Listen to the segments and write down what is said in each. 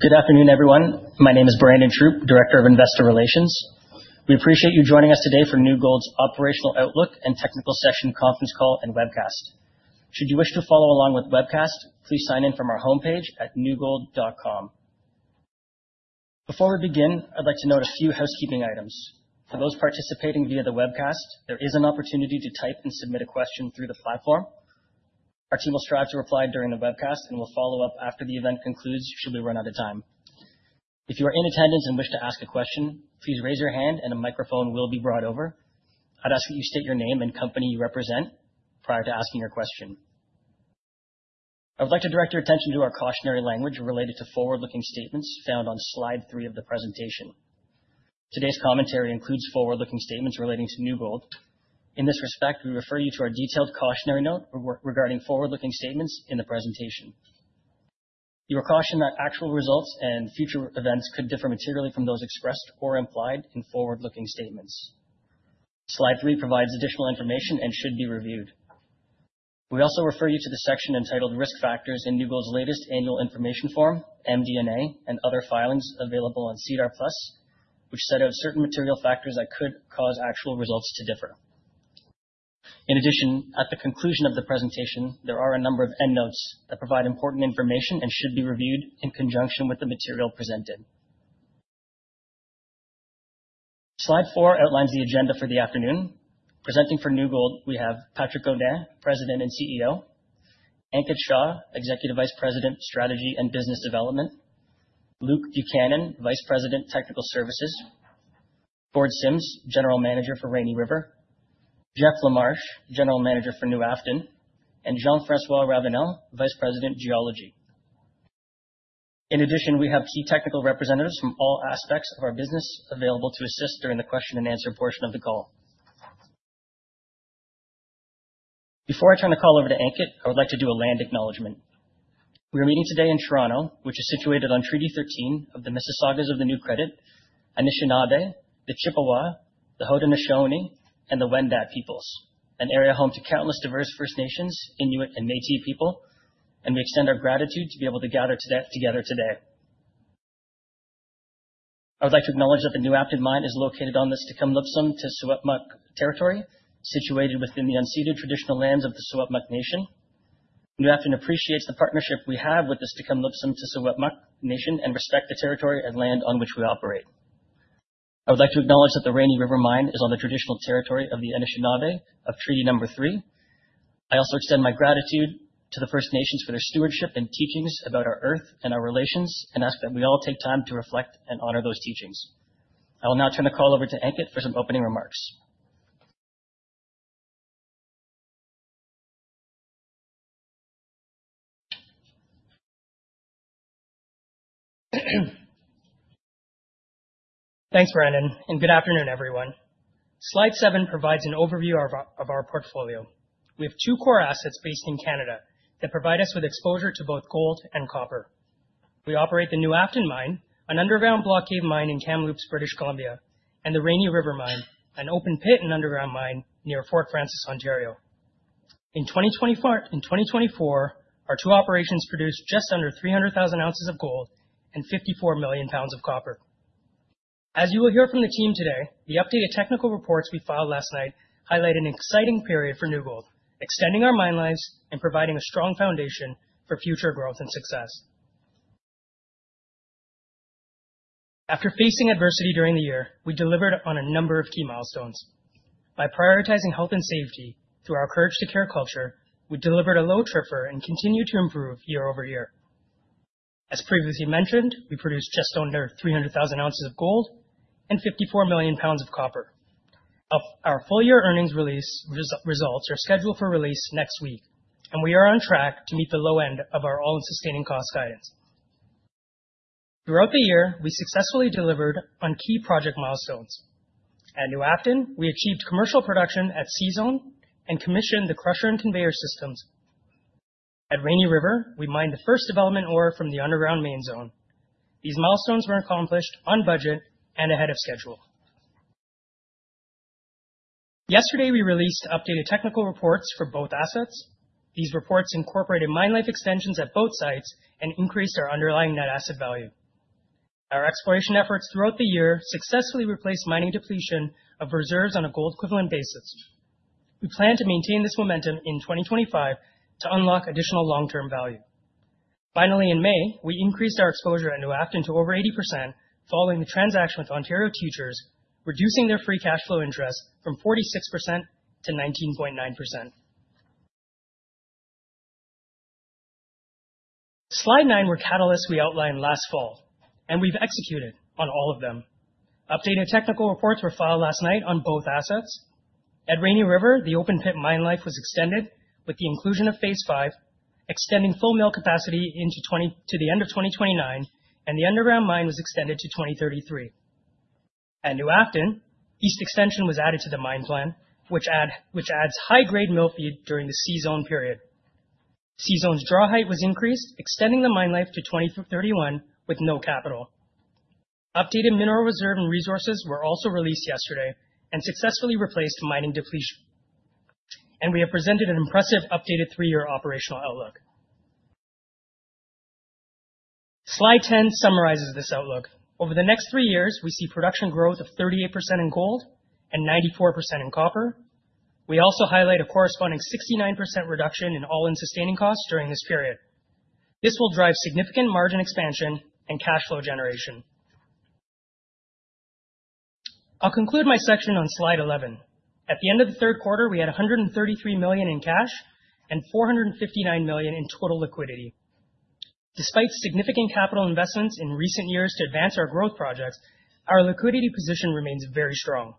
Good afternoon, everyone. My name is Brandon Throop, Director of Investor Relations. We appreciate you joining us today for New Gold's Operational Outlook and Technical Session Conference Call and Webcast. Should you wish to follow along with webcast, please sign in from our homepage at newgold.com. Before we begin, I'd like to note a few housekeeping items. For those participating via the webcast, there is an opportunity to type and submit a question through the platform. Our team will strive to reply during the webcast, and we'll follow up after the event concludes should we run out of time. If you are in attendance and wish to ask a question, please raise your hand, and a microphone will be brought over. I'd ask that you state your name and company you represent prior to asking your question. I would like to direct your attention to our cautionary language related to forward-looking statements found on Slide 3 of the presentation. Today's commentary includes forward-looking statements relating to New Gold. In this respect, we refer you to our detailed cautionary note regarding forward-looking statements in the presentation. You are cautioned that actual results and future events could differ materially from those expressed or implied in forward-looking statements. Slide 3 provides additional information and should be reviewed. We also refer you to the section entitled Risk Factors in New Gold's latest Annual Information Form, MD&A, and other filings available on SEDAR+, which set out certain material factors that could cause actual results to differ. In addition, at the conclusion of the presentation, there are a number of end notes that provide important information and should be reviewed in conjunction with the material presented. Slide 4 outlines the agenda for the afternoon. Presenting for New Gold, we have Patrick Godin, President and CEO, Ankit Shah, Executive Vice President, Strategy and Business Development, Luke Buchanan, Vice President, Technical Services, Gord Simms, General Manager for Rainy River, Jeff LaMarsh, General Manager for New Afton, and Jean-François Ravenelle, Vice President, Geology. In addition, we have key technical representatives from all aspects of our business available to assist during the question-and-answer portion of the call. Before I turn the call over to Ankit, I would like to do a land acknowledgment. We are meeting today in Toronto, which is situated on Treaty 13 of the Mississaugas of the Credit First Nation, Anishinaabe, the Chippewa, the Haudenosaunee, and the Wendat peoples, an area home to countless diverse First Nations, Inuit, and Métis people, and we extend our gratitude to be able to gather together today. I would like to acknowledge that the New Afton mine is located on the Stk'emlupsemc te Secwepemc territory, situated within the unceded traditional lands of the Secwepemc Nation. New Afton appreciates the partnership we have with the Stk'emlupsemc te Secwepemc Nation and respects the territory and land on which we operate. I would like to acknowledge that the Rainy River mine is on the traditional territory of the Anishinaabe of Treaty Number 3. I also extend my gratitude to the First Nations for their stewardship and teachings about our Earth and our relations and ask that we all take time to reflect and honor those teachings. I will now turn the call over to Ankit for some opening remarks. Thanks, Brandon, and good afternoon, everyone. Slide 7 provides an overview of our portfolio. We have two core assets based in Canada that provide us with exposure to both gold and copper. We operate the New Afton mine, an underground block cave mine in Kamloops, British Columbia, and the Rainy River mine, an open pit and underground mine near Fort Frances, Ontario. In 2024, our two operations produced just under 300,000 ounces of gold and 54 million pounds of copper. As you will hear from the team today, the updated technical reports we filed last night highlight an exciting period for New Gold, extending our mine lives and providing a strong foundation for future growth and success. After facing adversity during the year, we delivered on a number of key milestones. By prioritizing health and safety through our Courage to Care culture, we delivered a low TRIFR and continue to improve year over year. As previously mentioned, we produced just under 300,000 ounces of gold and 54 million pounds of copper. Our full-year earnings release results are scheduled for release next week, and we are on track to meet the low end of our all-in sustaining cost guidance. Throughout the year, we successfully delivered on key project milestones. At New Afton, we achieved commercial production at C-Zone and commissioned the crusher and conveyor systems. At Rainy River, we mined the first development ore from the Underground Main. These milestones were accomplished on budget and ahead of schedule. Yesterday, we released updated technical reports for both assets. These reports incorporated mine life extensions at both sites and increased our underlying net asset value. Our exploration efforts throughout the year successfully replaced mining depletion of reserves on a gold-equivalent basis. We plan to maintain this momentum in 2025 to unlock additional long-term value. Finally, in May, we increased our exposure at New Afton to over 80% following the transaction with Ontario Teachers, reducing their free cash flow interest from 46% to 19.9%. Slide 9 were catalysts we outlined last fall, and we've executed on all of them. Updated technical reports were filed last night on both assets. At Rainy River, the open pit mine life was extended with the inclusion of Phase 5, extending full mill capacity to the end of 2029, and the underground mine was extended to 2033. At New Afton, East Extension was added to the mine plan, which adds high-grade mill feed during the C-Zone period. C-Zone's draw height was increased, extending the mine life to 2031 with no capital. Updated mineral reserve and resources were also released yesterday and successfully replaced mining depletion, and we have presented an impressive updated three-year operational outlook. Slide 10 summarizes this outlook. Over the next three years, we see production growth of 38% in gold and 94% in copper. We also highlight a corresponding 69% reduction in all-in sustaining costs during this period. This will drive significant margin expansion and cash flow generation. I'll conclude my section on Slide 11. At the end of the third quarter, we had $133 million in cash and $459 million in total liquidity. Despite significant capital investments in recent years to advance our growth projects, our liquidity position remains very strong.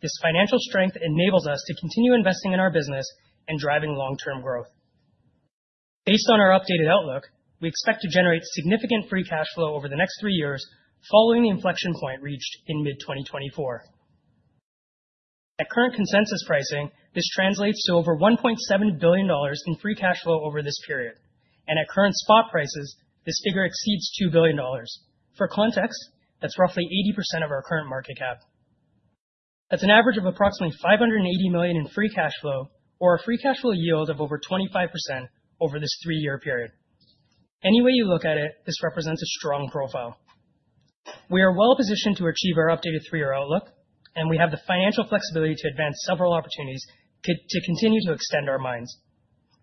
This financial strength enables us to continue investing in our business and driving long-term growth. Based on our updated outlook, we expect to generate significant free cash flow over the next three years following the inflection point reached in mid-2024. At current consensus pricing, this translates to over $1.7 billion in free cash flow over this period, and at current spot prices, this figure exceeds $2 billion. For context, that's roughly 80% of our current market cap. That's an average of approximately $580 million in free cash flow or a free cash flow yield of over 25% over this three-year period. Any way you look at it, this represents a strong profile. We are well positioned to achieve our updated three-year outlook, and we have the financial flexibility to advance several opportunities to continue to extend our mines.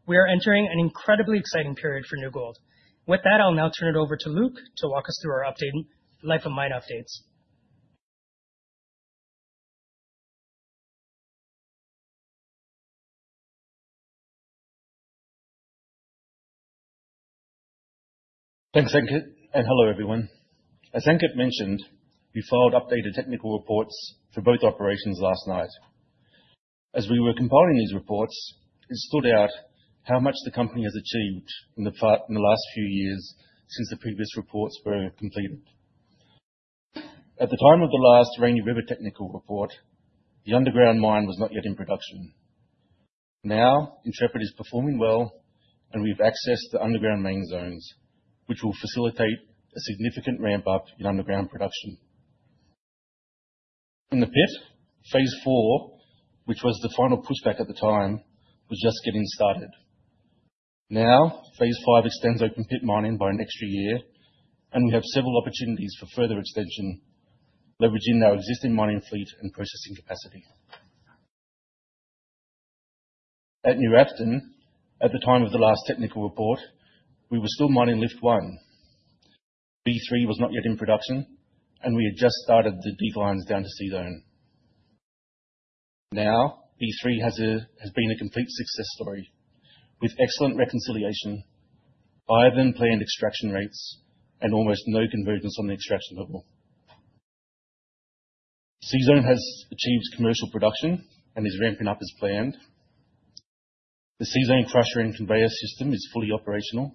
We are entering an incredibly exciting period for New Gold. With that, I'll now turn it over to Luke to walk us through our updated life of mine updates. Thanks, Ankit, and hello, everyone. As Ankit mentioned, we filed updated technical reports for both operations last night. As we were compiling these reports, it stood out how much the company has achieved in the last few years since the previous reports were completed. At the time of the last Rainy River technical report, the underground mine was not yet in production. Now, Intrepid is performing well, and we've accessed the Underground Main zones, which will facilitate a significant ramp-up in underground production. In the pit, Phase 4, which was the final pushback at the time, was just getting started. Now, Phase 5 extends open pit mining by an extra year, and we have several opportunities for further extension, leveraging our existing mining fleet and processing capacity. At New Afton, at the time of the last technical report, we were still mining Lift 1. B3 was not yet in production, and we had just started the decline down to C-Zone. Now, B3 has been a complete success story, with excellent reconciliation, higher than planned extraction rates, and almost no convergence on the extraction level. C-Zone has achieved commercial production and is ramping up as planned. The C-Zone crusher and conveyor system is fully operational.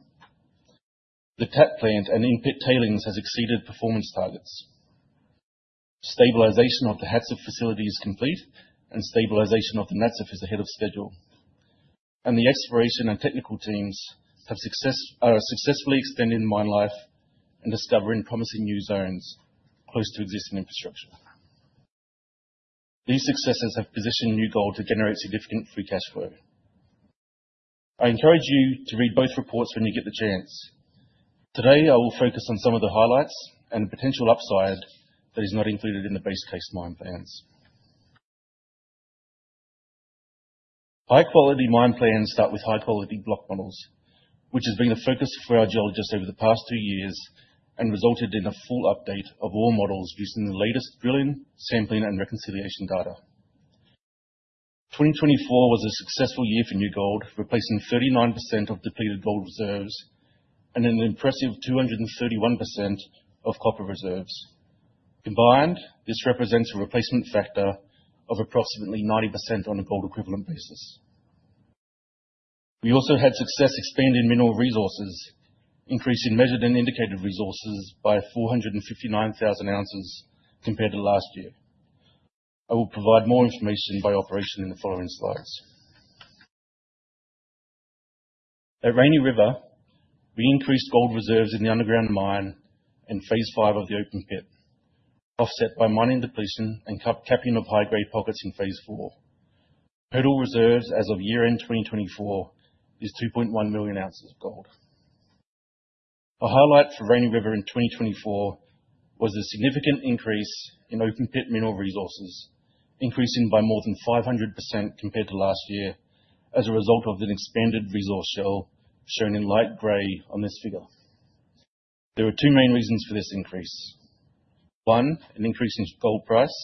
The TAT plant and in-pit tailings have exceeded performance targets. Stabilization of the ATSF facility is complete, and stabilization of the NATSF is ahead of schedule. And the exploration and technical teams are successfully extending mine life and discovering promising new zones close to existing infrastructure. These successes have positioned New Gold to generate significant free cash flow. I encourage you to read both reports when you get the chance. Today, I will focus on some of the highlights and potential upside that is not included in the base case mine plans. High-quality mine plans start with high-quality block models, which has been a focus for our geologists over the past two years and resulted in a full update of all models using the latest drilling, sampling, and reconciliation data. 2024 was a successful year for New Gold, replacing 39% of depleted gold reserves and an impressive 231% of copper reserves. Combined, this represents a replacement factor of approximately 90% on a gold-equivalent basis. We also had success expanding mineral resources, increasing measured and indicated resources by 459,000 ounces compared to last year. I will provide more information by operation in the following slides. At Rainy River, we increased gold reserves in the underground mine and Phase 5 of the open pit, offset by mining depletion and capping of high-grade pockets in Phase 4. Total reserves as of year-end 2024 is 2.1 million ounces of gold. A highlight for Rainy River in 2024 was the significant increase in open pit mineral resources, increasing by more than 500% compared to last year as a result of the expanded resource shell shown in light gray on this figure. There were two main reasons for this increase. One, an increase in gold price.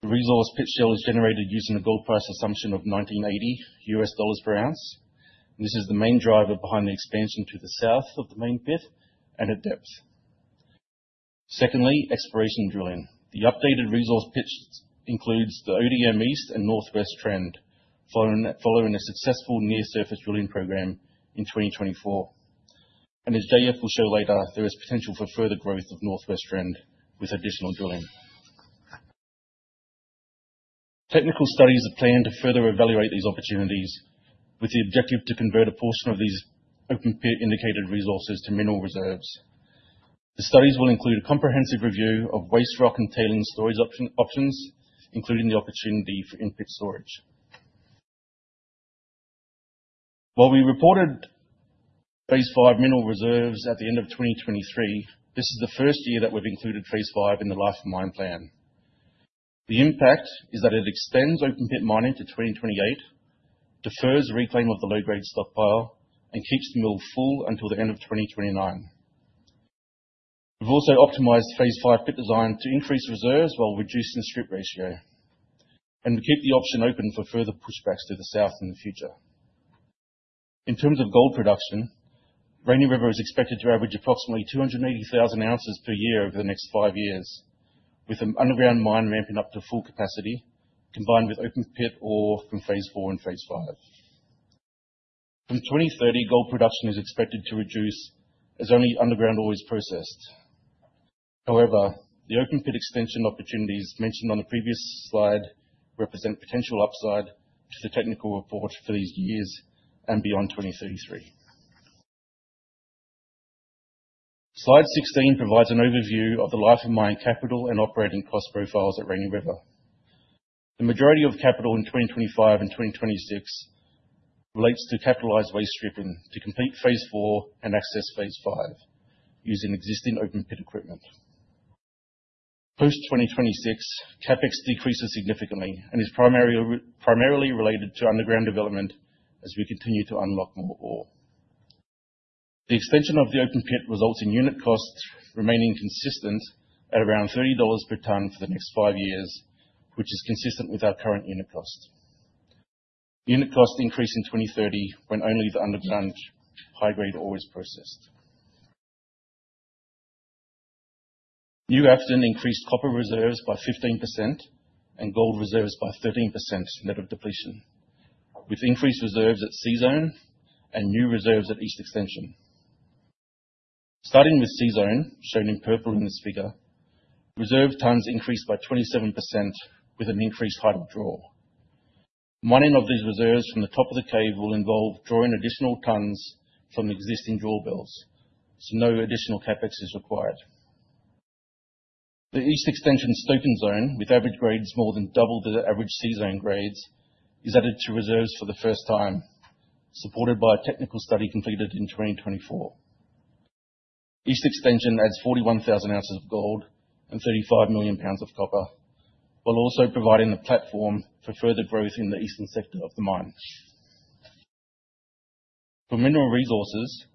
The resource pit shell is generated using a gold price assumption of $1,980 per ounce. This is the main driver behind the expansion to the south of the main pit and at depth. Secondly, exploration drilling. The updated resource pit includes the ODM East and Northwest Trend following a successful near-surface drilling program in 2024, and as JF will show later, there is potential for further growth of Northwest Trend with additional drilling. Technical studies are planned to further evaluate these opportunities with the objective to convert a portion of these open pit indicated resources to mineral reserves. The studies will include a comprehensive review of waste rock and tailings storage options, including the opportunity for in-pit storage. While we reported Phase 5 mineral reserves at the end of 2023, this is the first year that we've included Phase 5 in the life of mine plan. The impact is that it extends open pit mining to 2028, defers reclaim of the low-grade stockpile, and keeps the mill full until the end of 2029. We've also optimized Phase 5 pit design to increase reserves while reducing the strip ratio, and we keep the option open for further pushbacks to the south in the future. In terms of gold production, Rainy River is expected to average approximately 280,000 ounces per year over the next five years, with an underground mine ramping up to full capacity combined with open pit ore from Phase 4 and Phase 5. From 2030, gold production is expected to reduce as only underground ore is processed. However, the open pit extension opportunities mentioned on the previous slide represent potential upside to the technical report for these years and beyond 2033. Slide 16 provides an overview of the life of mine capital and operating cost profiles at Rainy River. The majority of capital in 2025 and 2026 relates to capitalized waste stripping to complete Phase 4 and access Phase 5 using existing open pit equipment. Post 2026, CapEx decreases significantly and is primarily related to underground development as we continue to unlock more ore. The extension of the open pit results in unit costs remaining consistent at around $30 per ton for the next five years, which is consistent with our current unit cost. Unit costs increase in 2030 when only the underground high-grade ore is processed. New Afton increased copper reserves by 15% and gold reserves by 13% net of depletion, with increased reserves at C-Zone and new reserves at East Extension. Starting with C-Zone, shown in purple in this figure, reserve tons increased by 27% with an increased height of draw. Mining of these reserves from the top of the cave will involve drawing additional tons from existing drawbells, so no additional CapEx is required. The East Extension Stoping Zone, with average grades more than double the average C-Zone grades, is added to reserves for the first time, supported by a technical study completed in 2024. East Extension adds 41,000 ounces of gold and 35 million pounds of copper, while also providing the platform for further growth in the eastern sector of the mine. For mineral resources,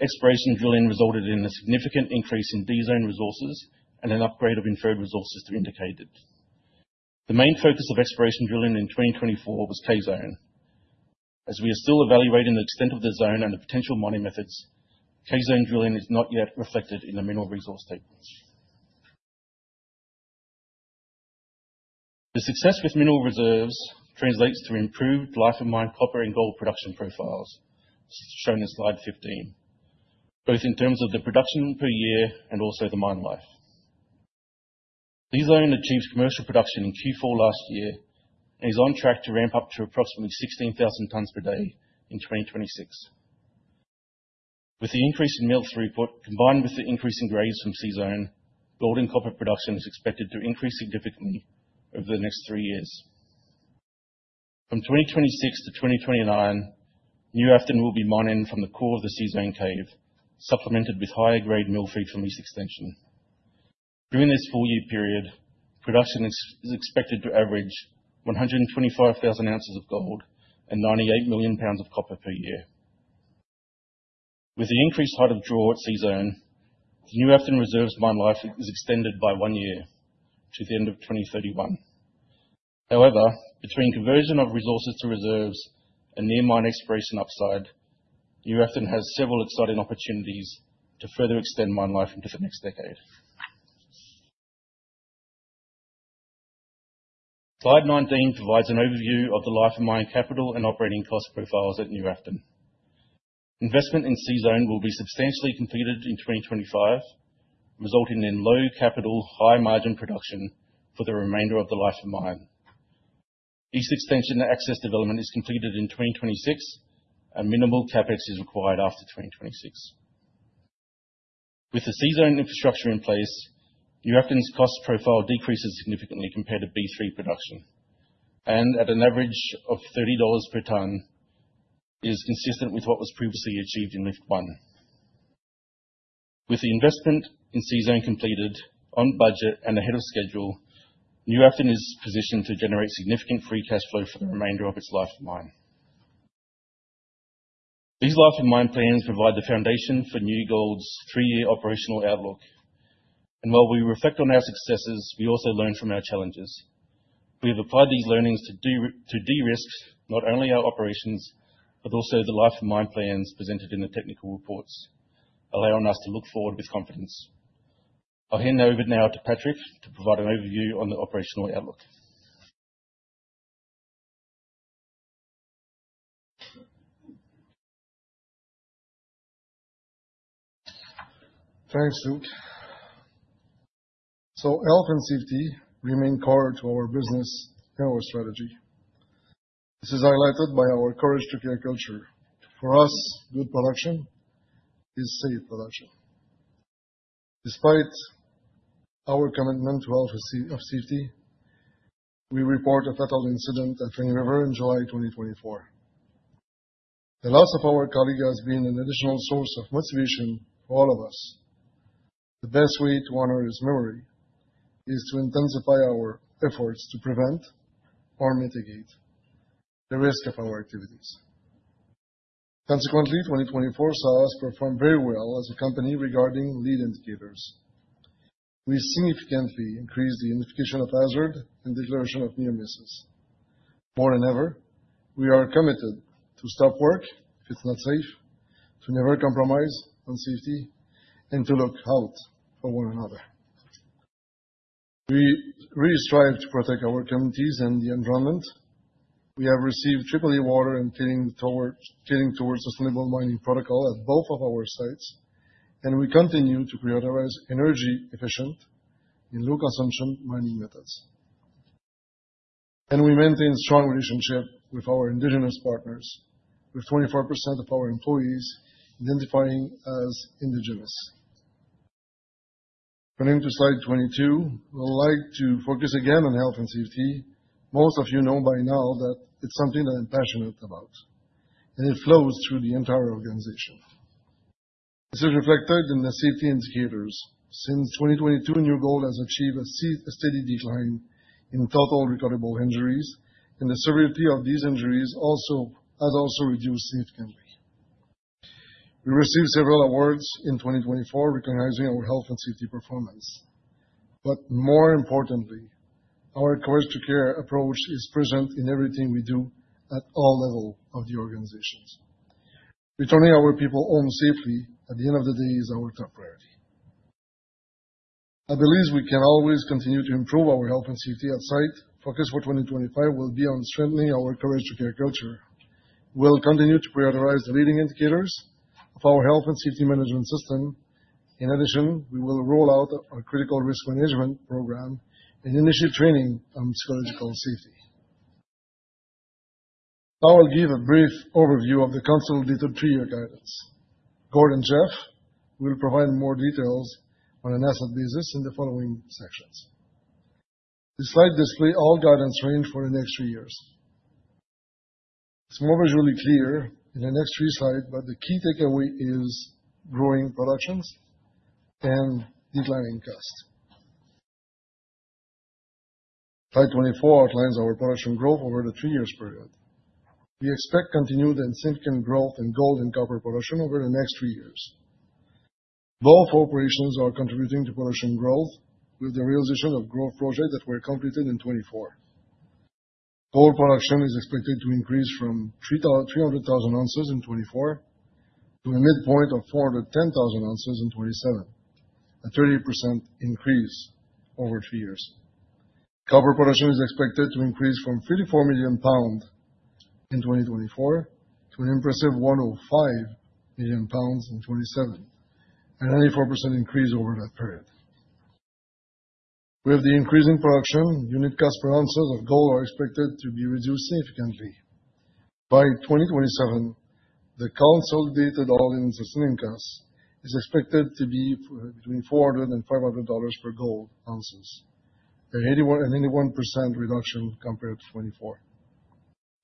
exploration drilling resulted in a significant increase in D-Zone resources and an upgrade of inferred resources to indicated. The main focus of exploration drilling in 2024 was K-Zone. As we are still evaluating the extent of the zone and the potential mining methods, K-Zone drilling is not yet reflected in the mineral resource tables. The success with mineral reserves translates to improved life of mine copper and gold production profiles, shown in slide 15, both in terms of the production per year and also the mine life. C-Zone achieved commercial production in Q4 last year and is on track to ramp up to approximately 16,000 tons per day in 2026. With the increase in mill throughput combined with the increasing grades from C-Zone, gold and copper production is expected to increase significantly over the next three years. From 2026 to 2029, New Afton will be mining from the core of the C-Zone cave, supplemented with higher-grade mill feed from East Extension. During this four-year period, production is expected to average 125,000 ounces of gold and 98 million pounds of copper per year. With the increased height of draw at C-Zone, the New Afton reserves mine life is extended by one year to the end of 2031. However, between conversion of resources to reserves and near mine exploration upside, New Afton has several exciting opportunities to further extend mine life into the next decade. Slide 19 provides an overview of the life of mine capital and operating cost profiles at New Afton. Investment in C-Zone will be substantially completed in 2025, resulting in low capital, high margin production for the remainder of the life of mine. East Extension access development is completed in 2026, and minimal CapEx is required after 2026. With the C-Zone infrastructure in place, New Afton's cost profile decreases significantly compared to B3 production, and at an average of $30 per ton, it is consistent with what was previously achieved in Lift 1. With the investment in C-Zone completed on budget and ahead of schedule, New Afton is positioned to generate significant free cash flow for the remainder of its life of mine. These life of mine plans provide the foundation for New Gold's three-year operational outlook. While we reflect on our successes, we also learn from our challenges. We have applied these learnings to de-risk not only our operations, but also the life of mine plans presented in the technical reports, allowing us to look forward with confidence. I'll hand over now to Patrick to provide an overview on the operational outlook. Thanks, Luke. Health and safety remain core to our business and our strategy. This is highlighted by our Courage to Care culture. For us, good production is safe production. Despite our commitment to health and safety, we report a fatal incident at Rainy River in July 2024. The loss of our colleague has been an additional source of motivation for all of us. The best way to honor his memory is to intensify our efforts to prevent or mitigate the risk of our activities. Consequently, 2024 saw us perform very well as a company regarding leading indicators. We significantly increased the identification of hazards and declaration of near misses. More than ever, we are committed to stop work if it's not safe, to never compromise on safety, and to look out for one another. We really strive to protect our communities and the environment. We have received triple-A water and tailings Towards Sustainable Mining protocol at both of our sites, and we continue to prioritize energy-efficient and low-consumption mining methods, and we maintain a strong relationship with our Indigenous partners, with 24% of our employees identifying as Indigenous. Turning to Slide 22, I'd like to focus again on health and safety. Most of you know by now that it's something that I'm passionate about, and it flows through the entire organization. This is reflected in the safety indicators. Since 2022, New Gold has achieved a steady decline in total recordable injuries, and the severity of these injuries has also reduced significantly. We received several awards in 2024 recognizing our health and safety performance, but more importantly, our Courage to Care approach is present in everything we do at all levels of the organizations. Returning our people home safely at the end of the day is our top priority. I believe we can always continue to improve our health and safety at site. Focus for 2025 will be on strengthening our Courage to Care culture. We'll continue to prioritize the leading indicators of our health and safety management system. In addition, we will roll out a critical risk management program and initiate training on psychological safety. Now I'll give a brief overview of the consolidated three-year guidance. Gord and Jeff will provide more details on an asset basis in the following sections. The slide displays all guidance range for the next three years. It's more visually clear in the next three slides, but the key takeaway is growing production and declining costs. Slide 24 outlines our production growth over the three-year period. We expect continued and significant growth in gold and copper production over the next three years. Both operations are contributing to production growth with the realization of growth projects that were completed in 2024. Gold production is expected to increase from 300,000 ounces in 2024 to a midpoint of 410,000 ounces in 2027, a 30% increase over three years. Copper production is expected to increase from 54 million pounds in 2024 to an impressive 105 million pounds in 2027, an 84% increase over that period. With the increasing production, unit cost per ounces of gold are expected to be reduced significantly. By 2027, the all-in sustaining cost is expected to be between $400 and $500 per gold ounce, an 81% reduction compared to 2024.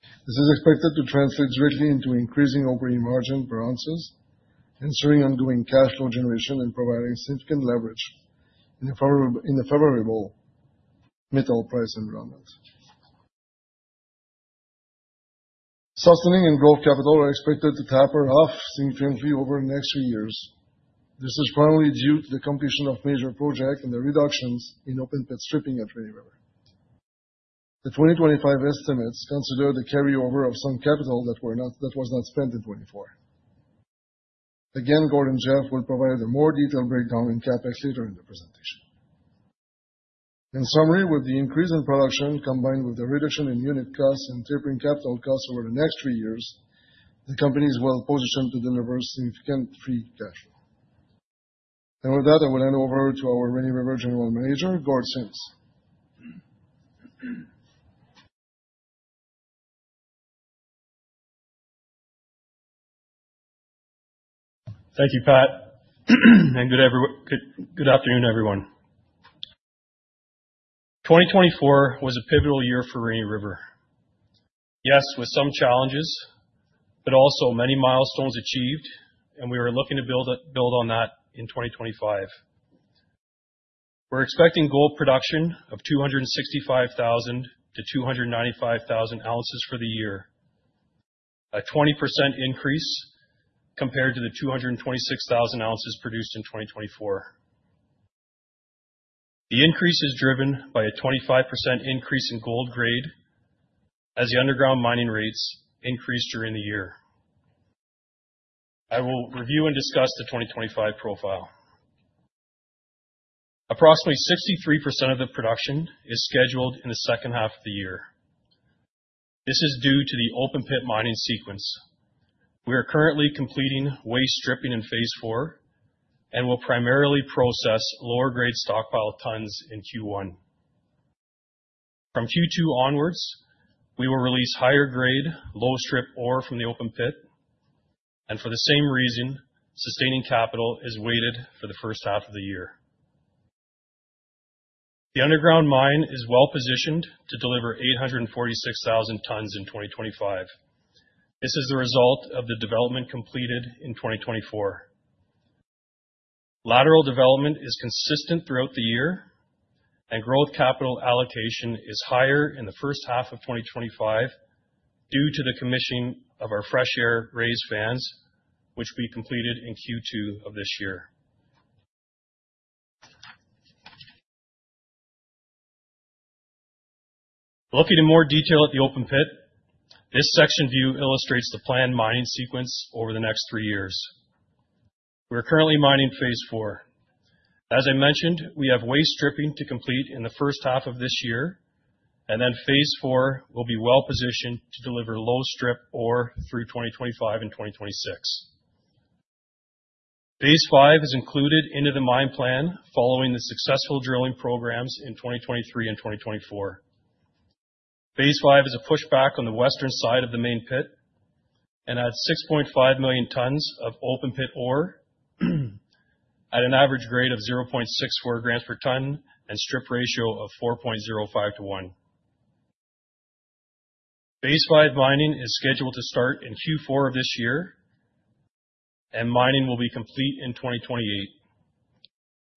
This is expected to translate directly into increasing operating margin per ounces, ensuring ongoing cash flow generation and providing significant leverage in the favorable metal price environment. Sustaining and growth capital are expected to taper off significantly over the next three years. This is primarily due to the completion of major projects and the reductions in open pit stripping at Rainy River. The 2025 estimates consider the carryover of some capital that was not spent in 2024. Again, Gord and Jeff will provide a more detailed breakdown in CapEx later in the presentation. In summary, with the increase in production combined with the reduction in unit costs and tapering capital costs over the next three years, the company is well positioned to deliver significant free cash flow. And with that, I will hand over to our Rainy River General Manager, Gord Simms. Thank you, Pat. And good afternoon, everyone. 2024 was a pivotal year for Rainy River. Yes, with some challenges, but also many milestones achieved, and we are looking to build on that in 2025. We're expecting gold production of 265,000-295,000 ounces for the year, a 20% increase compared to the 226,000 ounces produced in 2024. The increase is driven by a 25% increase in gold grade as the underground mining rates increased during the year. I will review and discuss the 2025 profile. Approximately 63% of the production is scheduled in the second half of the year. This is due to the open pit mining sequence. We are currently completing waste stripping in Phase 4 and will primarily process lower-grade stockpile tons in Q1. From Q2 onwards, we will release higher-grade, low-strip ore from the open pit. For the same reason, sustaining capital is weighted for the first half of the year. The underground mine is well positioned to deliver 846,000 tons in 2025. This is the result of the development completed in 2024. Lateral development is consistent throughout the year, and growth capital allocation is higher in the first half of 2025 due to the commissioning of our fresh air raise fans, which we completed in Q2 of this year. Looking in more detail at the open pit, this section view illustrates the planned mining sequence over the next three years. We're currently mining Phase 4. As I mentioned, we have waste stripping to complete in the first half of this year, and then Phase 4 will be well positioned to deliver low-strip ore through 2025 and 2026. Phase 5 is included into the mine plan following the successful drilling programs in 2023 and 2024. Phase 5 is a pushback on the western side of the main pit and adds 6.5 million tons of open pit ore at an average grade of 0.64 grams per ton and strip ratio of 4.05 to 1. Phase 5 mining is scheduled to start in Q4 of this year, and mining will be complete in 2028.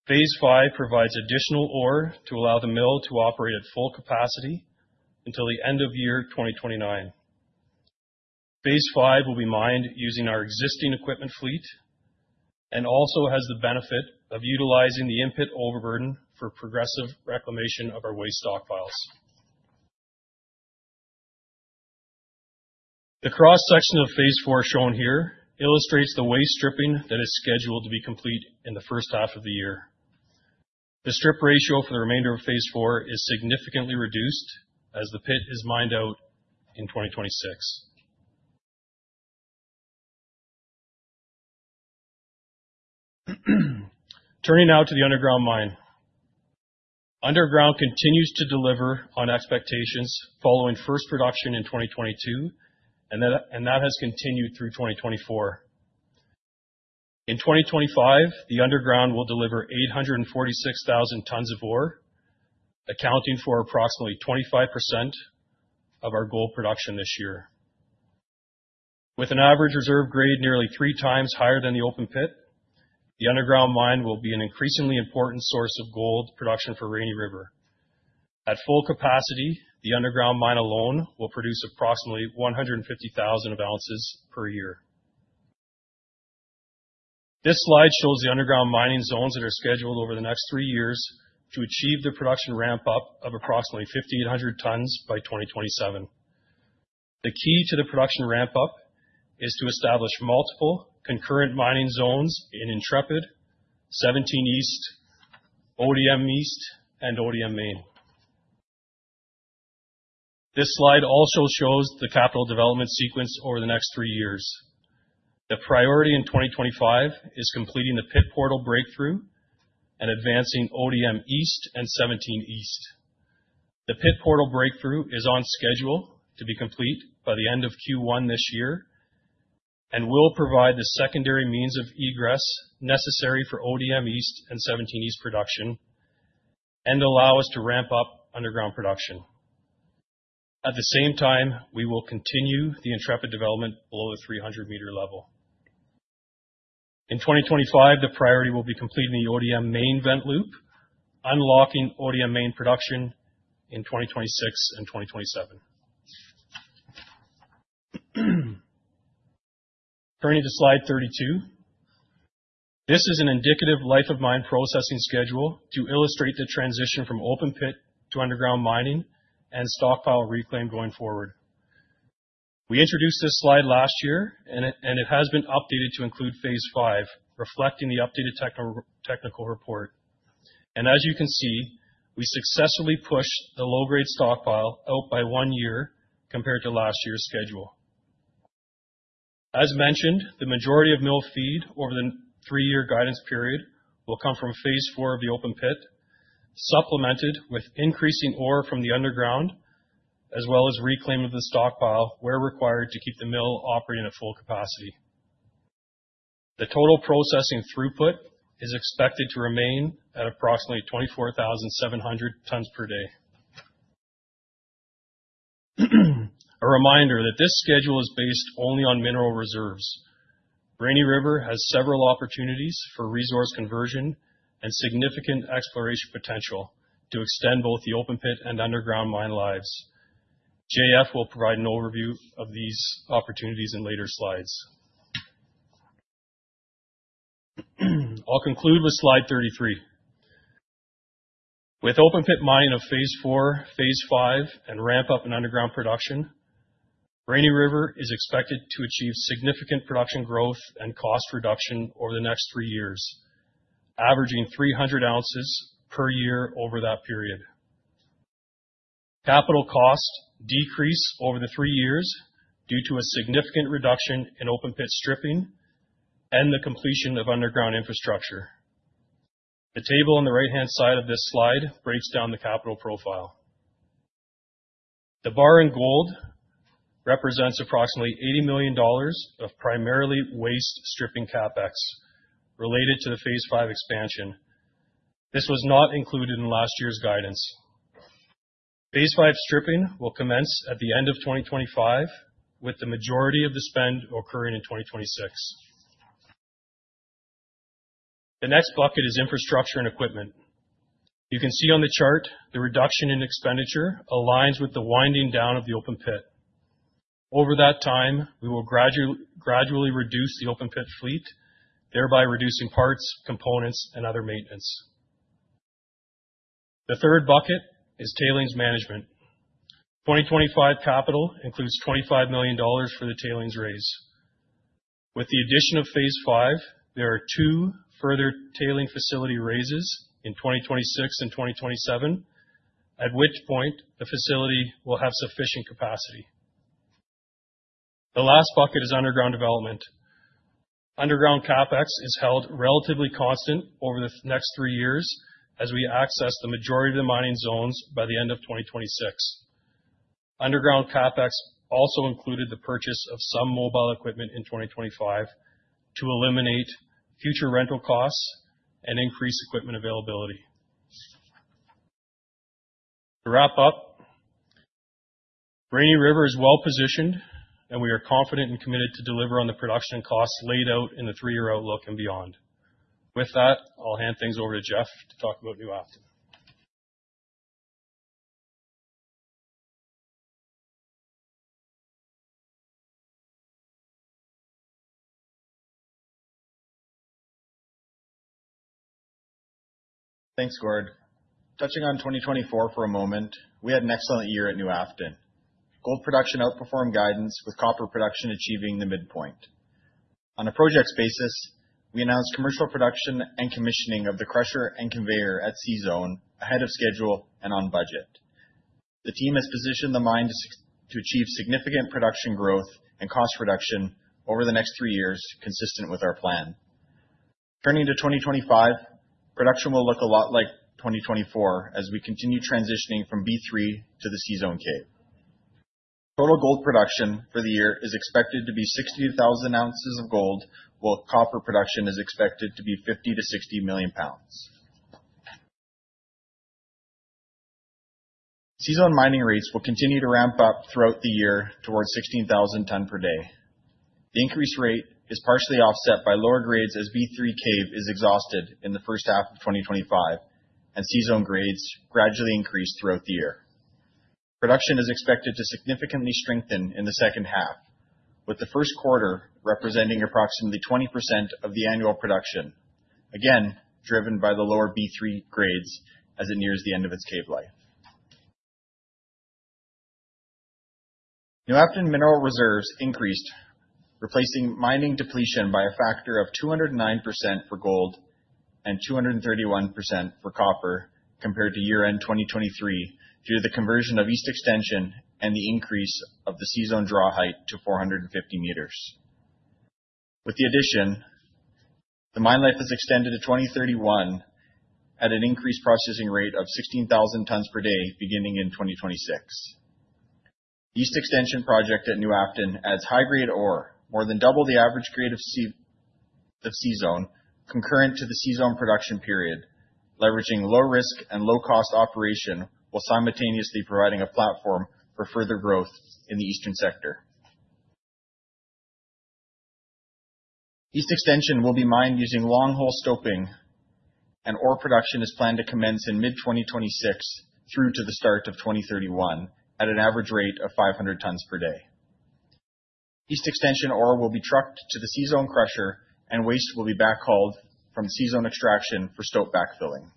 Phase 5 provides additional ore to allow the mill to operate at full capacity until the end of year 2029. Phase 5 will be mined using our existing equipment fleet and also has the benefit of utilizing the in-pit overburden for progressive reclamation of our waste stockpiles. The cross-section of Phase 4 shown here illustrates the waste stripping that is scheduled to be complete in the first half of the year. The strip ratio for the remainder of Phase 4 is significantly reduced as the pit is mined out in 2026. Turning now to the underground mine. Underground continues to deliver on expectations following first production in 2022, and that has continued through 2024. In 2025, the underground will deliver 846,000 tons of ore, accounting for approximately 25% of our gold production this year. With an average reserve grade nearly three times higher than the open pit, the underground mine will be an increasingly important source of gold production for Rainy River. At full capacity, the underground mine alone will produce approximately 150,000 ounces per year. This slide shows the underground mining zones that are scheduled over the next three years to achieve the production ramp-up of approximately 5,800 tons by 2027. The key to the production ramp-up is to establish multiple concurrent mining zones in Intrepid, 17 East, ODM East, and ODM Main. This slide also shows the capital development sequence over the next three years. The priority in 2025 is completing the pit portal breakthrough and advancing ODM East and 17 East. The pit portal breakthrough is on schedule to be complete by the end of Q1 this year and will provide the secondary means of egress necessary for ODM East and 17 East production and allow us to ramp up underground production. At the same time, we will continue the Intrepid development below the 300-meter level. In 2025, the priority will be completing the ODM Main vent loop, unlocking ODM Main production in 2026 and 2027. Turning to Slide 32, this is an indicative life-of-mine processing schedule to illustrate the transition from open pit to underground mining and stockpile reclaim going forward. We introduced this slide last year, and it has been updated to include Phase 5, reflecting the updated technical report. And as you can see, we successfully pushed the low-grade stockpile out by one year compared to last year's schedule. As mentioned, the majority of mill feed over the three-year guidance period will come from Phase 4 of the open pit, supplemented with increasing ore from the underground, as well as reclaim of the stockpile where required to keep the mill operating at full capacity. The total processing throughput is expected to remain at approximately 24,700 tons per day. A reminder that this schedule is based only on mineral reserves. Rainy River has several opportunities for resource conversion and significant exploration potential to extend both the open pit and underground mine lives. JF will provide an overview of these opportunities in later slides. I'll conclude with Slide 33. With open pit mining of Phase 4, Phase 5, and ramp-up in underground production, Rainy River is expected to achieve significant production growth and cost reduction over the next three years, averaging 300 ounces per year over that period. Capital cost decrease over the three years due to a significant reduction in open pit stripping and the completion of underground infrastructure. The table on the right-hand side of this slide breaks down the capital profile. The bar in gold represents approximately $80 million of primarily waste stripping CapEx related to the Phase 5 expansion. This was not included in last year's guidance. Phase 5 stripping will commence at the end of 2025, with the majority of the spend occurring in 2026. The next bucket is infrastructure and equipment. You can see on the chart the reduction in expenditure aligns with the winding down of the open pit. Over that time, we will gradually reduce the open pit fleet, thereby reducing parts, components, and other maintenance. The third bucket is tailings management. 2025 capital includes $25 million for the tailings raise. With the addition of Phase 5, there are two further tailings facility raises in 2026 and 2027, at which point the facility will have sufficient capacity. The last bucket is underground development. Underground CapEx is held relatively constant over the next three years as we access the majority of the mining zones by the end of 2026. Underground CapEx also included the purchase of some mobile equipment in 2025 to eliminate future rental costs and increase equipment availability. To wrap up, Rainy River is well positioned, and we are confident and committed to deliver on the production costs laid out in the three-year outlook and beyond. With that, I'll hand things over to Jeff to talk about New Afton. Thanks, Gord. Touching on 2024 for a moment, we had an excellent year at New Afton. Gold production outperformed guidance, with copper production achieving the midpoint. On a project basis, we announced commercial production and commissioning of the crusher and conveyor at C-Zone ahead of schedule and on budget. The team has positioned the mine to achieve significant production growth and cost reduction over the next three years, consistent with our plan. Turning to 2025, production will look a lot like 2024 as we continue transitioning from B3 to the C-Zone cave. Total gold production for the year is expected to be 62,000 ounces of gold, while copper production is expected to be 50-60 million pounds. C-Zone mining rates will continue to ramp up throughout the year towards 16,000 tons per day. The increase rate is partially offset by lower grades as B3 cave is exhausted in the first half of 2025, and C-Zone grades gradually increase throughout the year. Production is expected to significantly strengthen in the second half, with the first quarter representing approximately 20% of the annual production, again driven by the lower B3 grades as it nears the end of its cave life. New Afton mineral reserves increased, replacing mining depletion by a factor of 209% for gold and 231% for copper compared to year-end 2023 due to the conversion of East Extension and the increase of the C-Zone draw height to 450 meters. With the addition, the mine life is extended to 2031 at an increased processing rate of 16,000 tons per day beginning in 2026. East Extension project at New Afton adds high-grade ore, more than double the average grade of C-Zone, concurrent to the C-Zone production period, leveraging low-risk and low-cost operation while simultaneously providing a platform for further growth in the eastern sector. East Extension will be mined using long-hole stoping, and ore production is planned to commence in mid-2026 through to the start of 2031 at an average rate of 500 tons per day. East Extension ore will be trucked to the C-Zone crusher, and waste will be backhauled from C-Zone extraction for stop backfilling.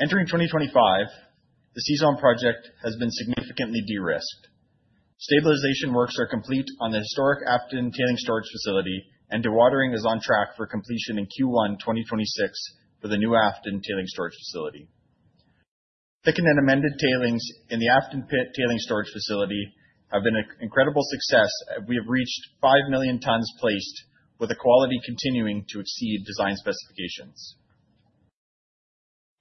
Entering 2025, the C-Zone project has been significantly de-risked. Stabilization works are complete on the historic Afton Tailings Storage Facility, and dewatering is on track for completion in Q1 2026 for the New Afton Tailings Storage Facility. Thickened and amended tailings in the Afton Tailings Storage Facility have been an incredible success. We have reached 5 million tons placed, with the quality continuing to exceed design specifications.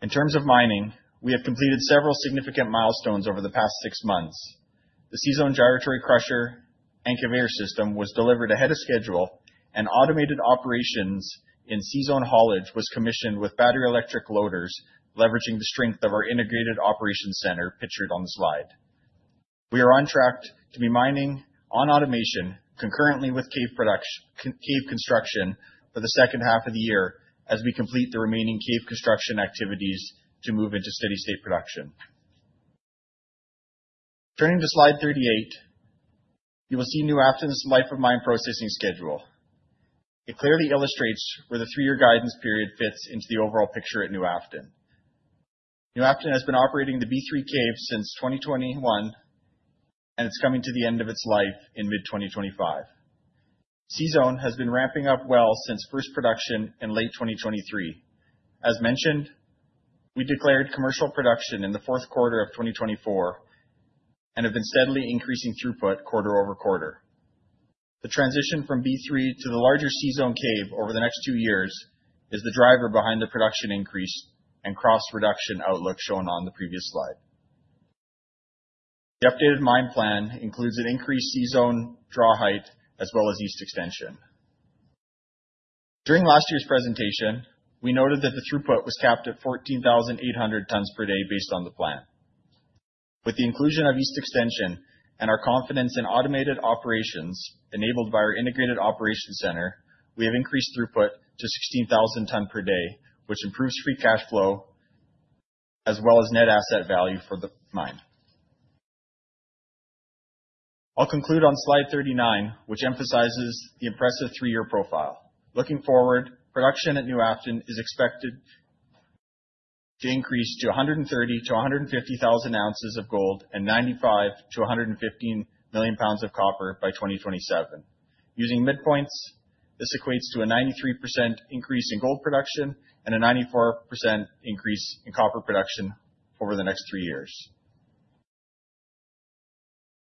In terms of mining, we have completed several significant milestones over the past six months. The C-Zone Gyratory Crusher and conveyor system was delivered ahead of schedule, and automated operations in C-Zone haulage was commissioned with battery electric loaders, leveraging the strength of our Integrated Operations Center pictured on the slide. We are on track to be mining on automation concurrently with cave construction for the second half of the year as we complete the remaining cave construction activities to move into steady-state production. Turning to Slide 38, you will see New Afton's life-of-mine processing schedule. It clearly illustrates where the three-year guidance period fits into the overall picture at New Afton. New Afton has been operating the B3 cave since 2021, and it's coming to the end of its life in mid-2025. C-Zone has been ramping up well since first production in late 2023. As mentioned, we declared commercial production in the fourth quarter of 2024 and have been steadily increasing throughput quarter over quarter. The transition from B3 to the larger C-Zone cave over the next two years is the driver behind the production increase and cost reduction outlook shown on the previous slide. The updated mine plan includes an increased C-Zone draw height as well as East Extension. During last year's presentation, we noted that the throughput was capped at 14,800 tons per day based on the plan. With the inclusion of East Extension and our confidence in automated operations enabled by our Integrated Operations Center, we have increased throughput to 16,000 tons per day, which improves free cash flow as well as net asset value for the mine. I'll conclude on Slide 39, which emphasizes the impressive three-year profile. Looking forward, production at New Afton is expected to increase to 130,000-150,000 ounces of gold and 95-115 million pounds of copper by 2027. Using midpoints, this equates to a 93% increase in gold production and a 94% increase in copper production over the next three years.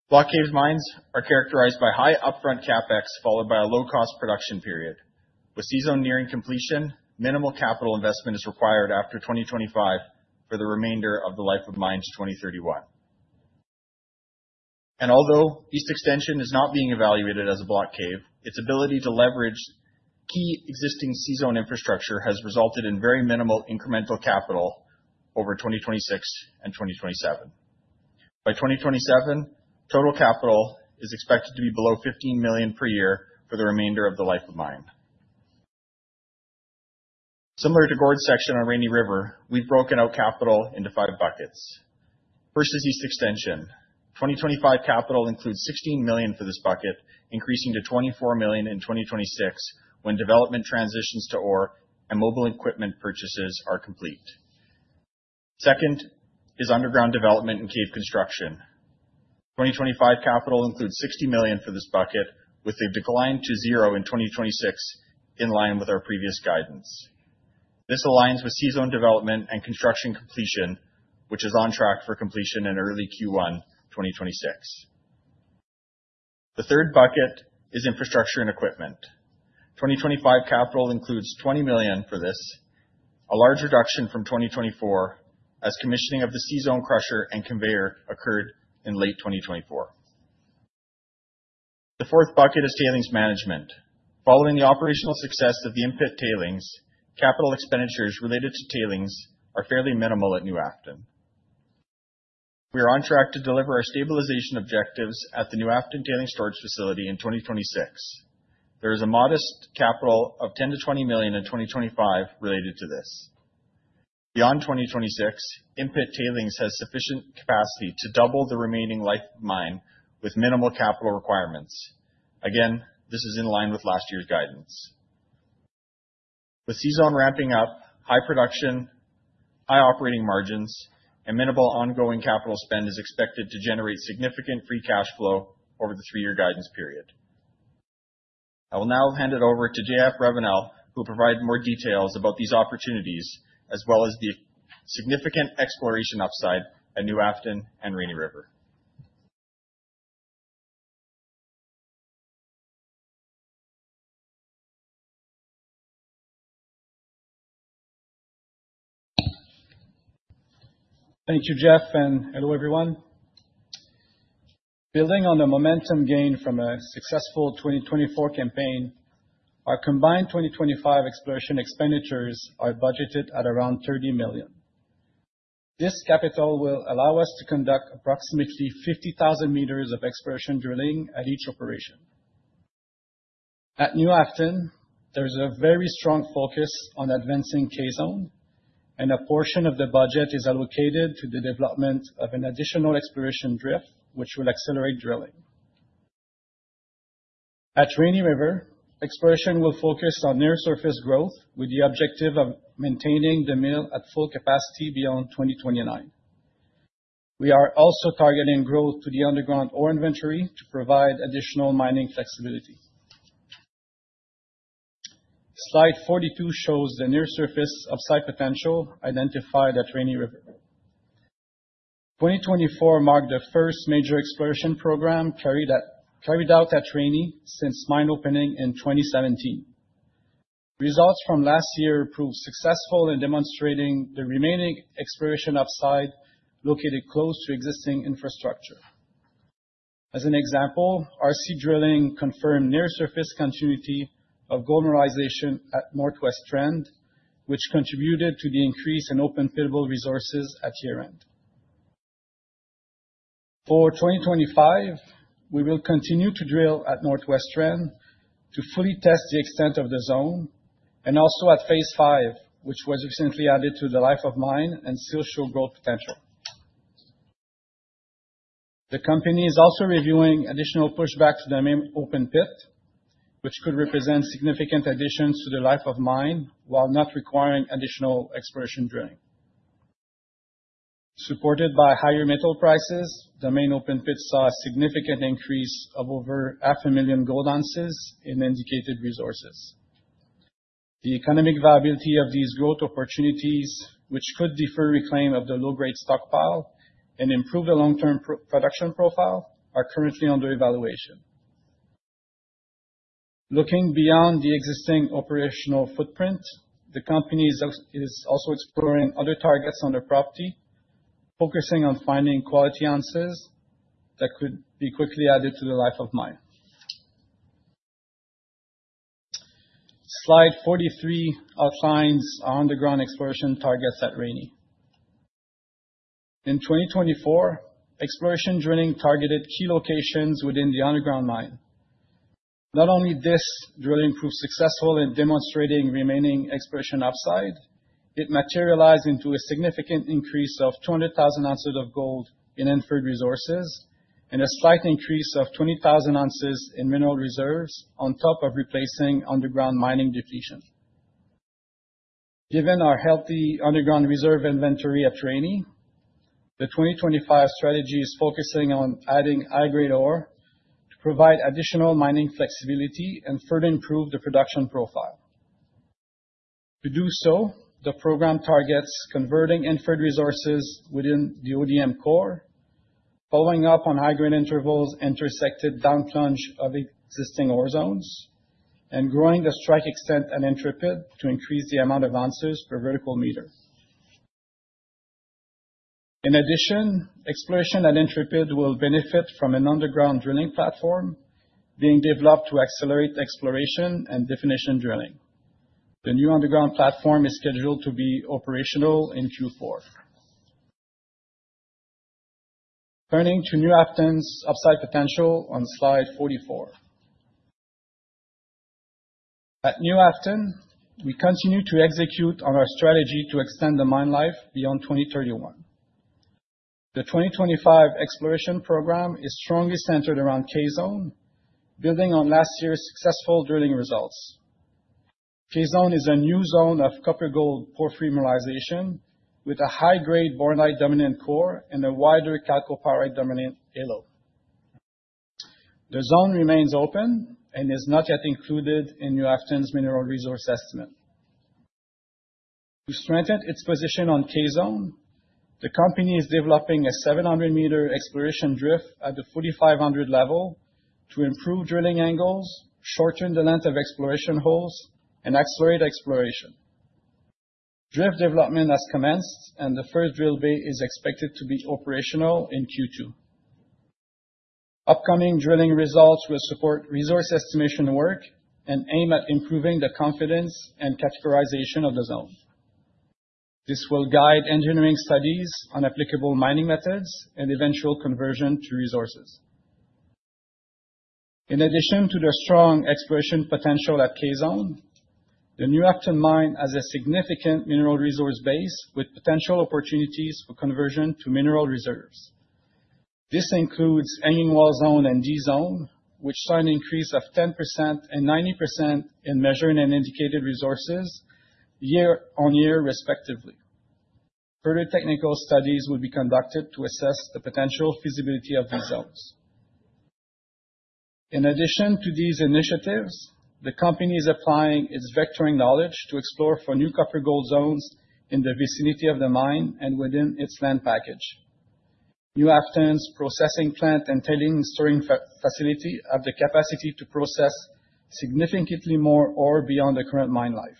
Block cave mines are characterized by high upfront CapEx followed by a low-cost production period. With C-Zone nearing completion, minimal capital investment is required after 2025 for the remainder of the life of mine 2031. Although East Extension is not being evaluated as a block cave, its ability to leverage key existing C-Zone infrastructure has resulted in very minimal incremental capital over 2026 and 2027. By 2027, total capital is expected to be below $15 million per year for the remainder of the life of mine. Similar to Gord's section on Rainy River, we've broken out capital into five buckets. First is East Extension. 2025 capital includes $16 million for this bucket, increasing to $24 million in 2026 when development transitions to ore and mobile equipment purchases are complete. Second is underground development and cave construction. 2025 capital includes $60 million for this bucket, with a decline to $0 in 2026 in line with our previous guidance. This aligns with C-Zone development and construction completion, which is on track for completion in early Q1 2026. The third bucket is infrastructure and equipment. 2025 capital includes $20 million for this, a large reduction from 2024 as commissioning of the C-Zone crusher and conveyor occurred in late 2024. The fourth bucket is tailings management. Following the operational success of the in-pit tailings, capital expenditures related to tailings are fairly minimal at New Afton. We are on track to deliver our stabilization objectives at the New Afton Tailings Storage Facility in 2026. There is a modest capital of $10-$20 million in 2025 related to this. Beyond 2026, in-pit tailings has sufficient capacity to double the remaining life of mine with minimal capital requirements. Again, this is in line with last year's guidance. With C-Zone ramping up, high production, high operating margins, and minimal ongoing capital spend is expected to generate significant free cash flow over the three-year guidance period. I will now hand it over to Jean-François Ravenelle, who will provide more details about these opportunities as well as the significant exploration upside at New Afton and Rainy River. Thank you, Jeff, and hello everyone. Building on the momentum gained from a successful 2024 campaign, our combined 2025 exploration expenditures are budgeted at around 30 million. This capital will allow us to conduct approximately 50,000 meters of exploration drilling at each operation. At New Afton, there is a very strong focus on advancing K-Zone, and a portion of the budget is allocated to the development of an additional exploration drift, which will accelerate drilling. At Rainy River, exploration will focus on near-surface growth with the objective of maintaining the mill at full capacity beyond 2029. We are also targeting growth to the underground ore inventory to provide additional mining flexibility. Slide 42 shows the near-surface upside potential identified at Rainy River. 2024 marked the first major exploration program carried out at Rainy since mine opening in 2017. Results from last year proved successful in demonstrating the remaining exploration upside located close to existing infrastructure. As an example, RC drilling confirmed near-surface continuity of gold mineralization at Northwest Trend, which contributed to the increase in open pittable resources at year-end. For 2025, we will continue to drill at Northwest Trend to fully test the extent of the zone, and also at phase 5, which was recently added to the life of mine and still shows growth potential. The company is also reviewing additional pushback to the main open pit, which could represent significant additions to the life of mine while not requiring additional exploration drilling. Supported by higher metal prices, the main open pit saw a significant increase of over 500,000 gold ounces in indicated resources. The economic viability of these growth opportunities, which could defer reclaim of the low-grade stockpile and improve the long-term production profile, are currently under evaluation. Looking beyond the existing operational footprint, the company is also exploring other targets on their property, focusing on finding quality ounces that could be quickly added to the life of mine. Slide 43 outlines our underground exploration targets at Rainy. In 2024, exploration drilling targeted key locations within the underground mine. Not only did this drilling prove successful in demonstrating remaining exploration upside, it materialized into a significant increase of 200,000 ounces of gold in inferred resources and a slight increase of 20,000 ounces in mineral reserves on top of replacing underground mining depletion. Given our healthy underground reserve inventory at Rainy, the 2025 strategy is focusing on adding high-grade ore to provide additional mining flexibility and further improve the production profile. To do so, the program targets converting inferred resources within the ODM core, following up on high-grade intervals intersected downplunge of existing ore zones, and growing the strike extent at Intrepid to increase the amount of ounces per vertical meter. In addition, exploration at Intrepid will benefit from an underground drilling platform being developed to accelerate exploration and definition drilling. The new underground platform is scheduled to be operational in Q4. Turning to New Afton's upside potential on Slide 44. At New Afton, we continue to execute on our strategy to extend the mine life beyond 2031. The 2025 exploration program is strongly centered around K-Zone, building on last year's successful drilling results. K-Zone is a new zone of copper-gold porphyry mineralization with a high-grade bornite dominant core and a wider chalcopyrite dominant halo. The zone remains open and is not yet included in New Afton's mineral resource estimate. To strengthen its position on K-Zone, the company is developing a 700-meter exploration drift at the 4,500 level to improve drilling angles, shorten the length of exploration holes, and accelerate exploration. Drift development has commenced, and the first drill bay is expected to be operational in Q2. Upcoming drilling results will support resource estimation work and aim at improving the confidence and categorization of the zone. This will guide engineering studies on applicable mining methods and eventual conversion to resources. In addition to the strong exploration potential at K-Zone, the New Afton mine has a significant mineral resource base with potential opportunities for conversion to mineral reserves. This includes Hanging Wall Zone and D-Zone, which saw an increase of 10% and 90% in measured and indicated resources year-on-year, respectively. Further technical studies will be conducted to assess the potential feasibility of these zones. In addition to these initiatives, the company is applying its vectoring knowledge to explore for new copper-gold zones in the vicinity of the mine and within its land package. New Afton's processing plant and tailings storage facility have the capacity to process significantly more ore beyond the current mine life.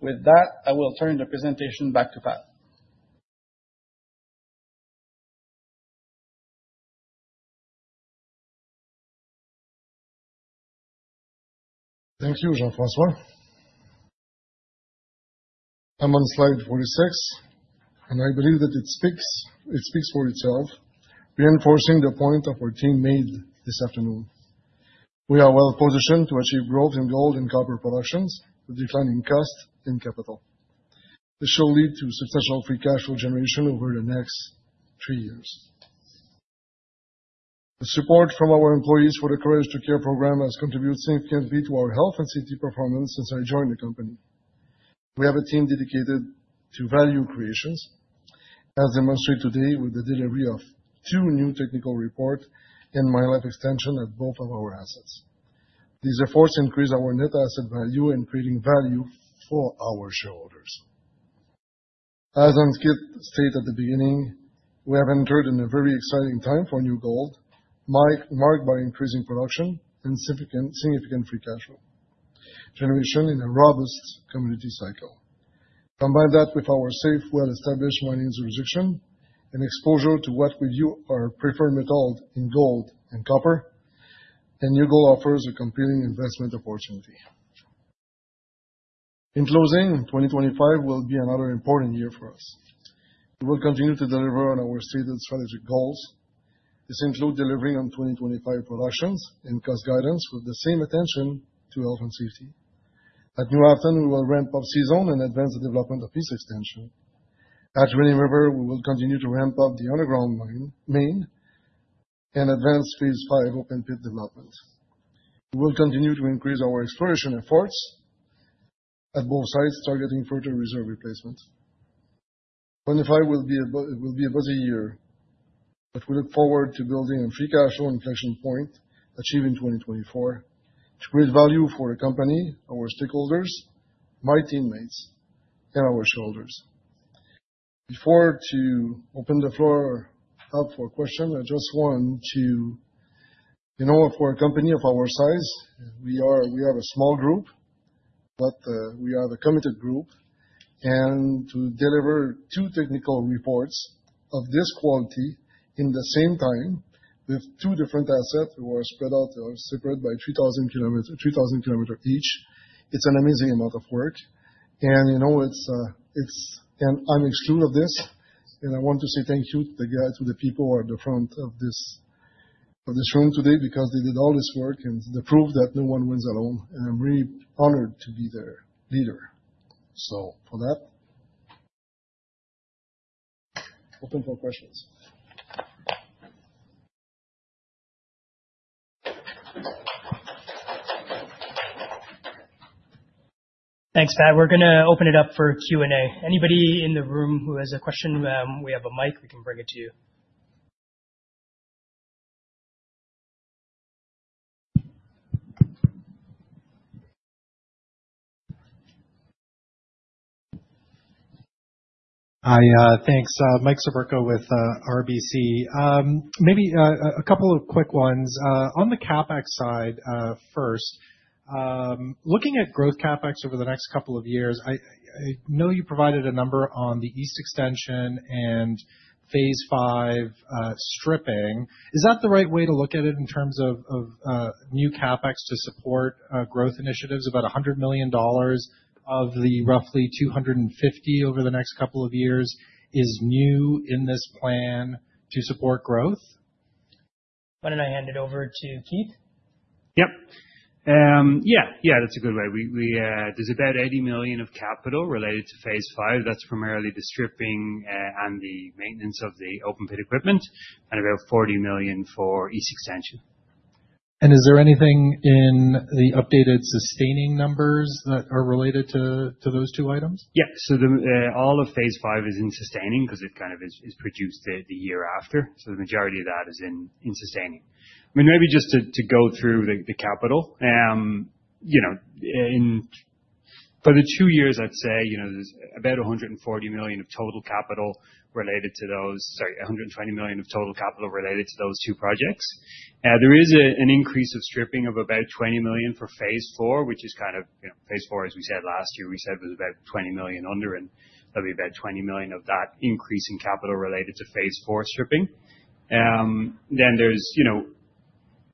With that, I will turn the presentation back to Pat. Thank you, Jean-François. I'm on Slide 46, and I believe that it speaks for itself, reinforcing the point our team made this afternoon. We are well-positioned to achieve growth in gold and copper productions with declining cost and capital. This will lead to substantial free cash flow generation over the next three years. The support from our employees for the Courage to Care program has contributed significantly to our health and safety performance since I joined the company. We have a team dedicated to value creations, as demonstrated today with the delivery of two new technical reports and mine life extension at both of our assets. These efforts increase our net asset value and create value for our shareholders. As Ankit stated at the beginning, we have entered a very exciting time for New Gold, marked by increasing production and significant free cash flow generation in a robust commodity cycle. Combine that with our safe, well-established mining jurisdiction and exposure to what we view as preferred metals in gold and copper, then New Gold offers a compelling investment opportunity. In closing, 2025 will be another important year for us. We will continue to deliver on our stated strategic goals. This includes delivering on 2025 production and cost guidance with the same attention to health and safety. At New Afton, we will ramp up C-Zone and advance the development of East Extension. At Rainy River, we will continue to ramp up the underground Main and advance Phase 5 open pit development. We will continue to increase our exploration efforts at both sites, targeting further reserve replacement. 2025 will be a busy year, but we look forward to building a free cash flow inflection point achieved in 2024 to create value for the company, our stakeholders, my teammates, and our shareholders. Before I open the floor up for questions, I just want to know for a company of our size, we have a small group, but we are the committed group, and to deliver two technical reports of this quality in the same time with two different assets that were spread out separate by 3,000 km each, it's an amazing amount of work, and I'm excluded of this, and I want to say thank you to the people who are at the front of this room today because they did all this work and the proof that no one wins alone, and I'm really honored to be their leader, so for that, open for questions. Thanks, Pat. We're going to open it up for Q&A. Anybody in the room who has a question? We have a mic. We can bring it to you. Hi, thanks. Mike Siperco with RBC. Maybe a couple of quick ones. On the CapEx side first, looking at growth CapEx over the next couple of years, I know you provided a number on the East Extension and phase 5 stripping. Is that the right way to look at it in terms of new CapEx to support growth initiatives? About $100 million of the roughly $250 over the next couple of years is new in this plan to support growth? Why don't I hand it over to Keith? Yep. Yeah, yeah, that's a good way. There's about $80 million of capital related to phase 5. That's primarily the stripping and the maintenance of the open pit equipment, and about $40 million for East Extension. Is there anything in the updated sustaining numbers that are related to those two items? Yeah, so all of phase 5 is in sustaining because it is produced the year after. So the majority of that is in sustaining. I mean, maybe just to go through the capital, for the two years, I'd say there's about $140 million of total capital related to those, sorry, $120 million of total capital related to those two projects. There is an increase of stripping of about $20 million for Phase 4, which is Phase 4, as we said last year, we said was about $20 million under, and there'll be about $20 million of that increase in capital related to Phase 4 stripping. Then there's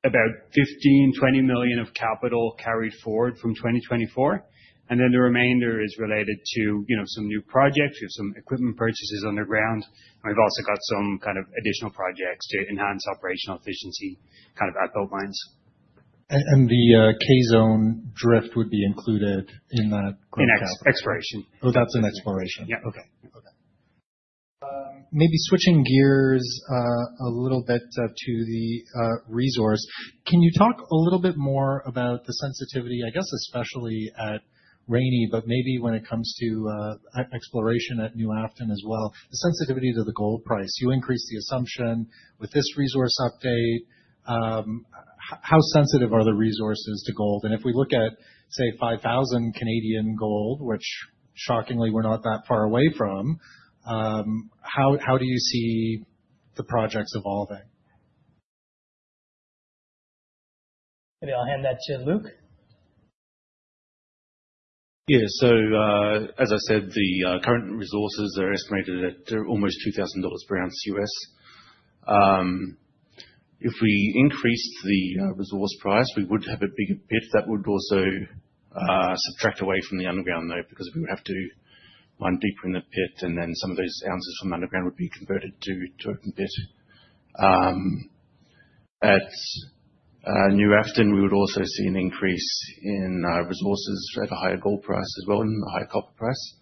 about $15-$20 million of capital carried forward from 2024. And then the remainder is related to some new projects. We have some equipment purchases underground. We've also got some additional projects to enhance operational efficiency at both mines. The K-Zone drift would be included in that? In exploration. That's in exploration. Yeah. Okay. Maybe switching gears a little bit to the resource, can you talk a little bit more about the sensitivity, especially at Rainy, but maybe when it comes to exploration at New Afton as well, the sensitivity to the gold price? You increased the assumption with this resource update. How sensitive are the resources to gold? And if we look at, say, 5,000 gold, which shockingly we're not that far away from, how do you see the projects evolving? Maybe I'll hand that to Luke. Yeah, so as I said, the current resources are estimated at almost $2,000 per ounce U.S. If we increased the resource price, we would have a bigger pit. That would also subtract away from the underground, though, because we would have to mine deeper in the pit, and then some of those ounces from the underground would be converted to open pit. At New Afton, we would also see an increase in resources at a higher gold price as well and a higher copper price.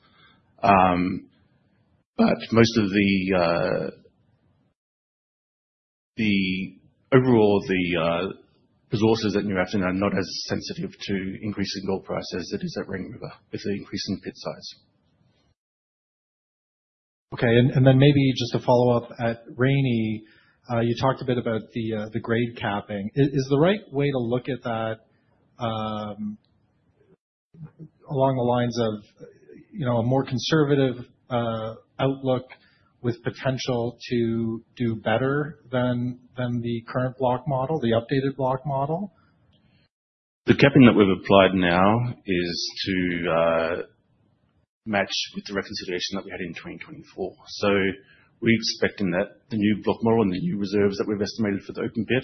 But most of the overall, the resources at New Afton are not as sensitive to increasing gold price as it is at Rainy River with the increase in pit size. Okay. And then maybe just to follow up, at Rainy, you talked a bit about the grade capping. Is the right way to look at that along the lines of a more conservative outlook with potential to do better than the current block model, the updated block model? The capping that we've applied now is to match with the reconciliation that we had in 2024. So we're expecting that the new block model and the new reserves that we've estimated for the open pit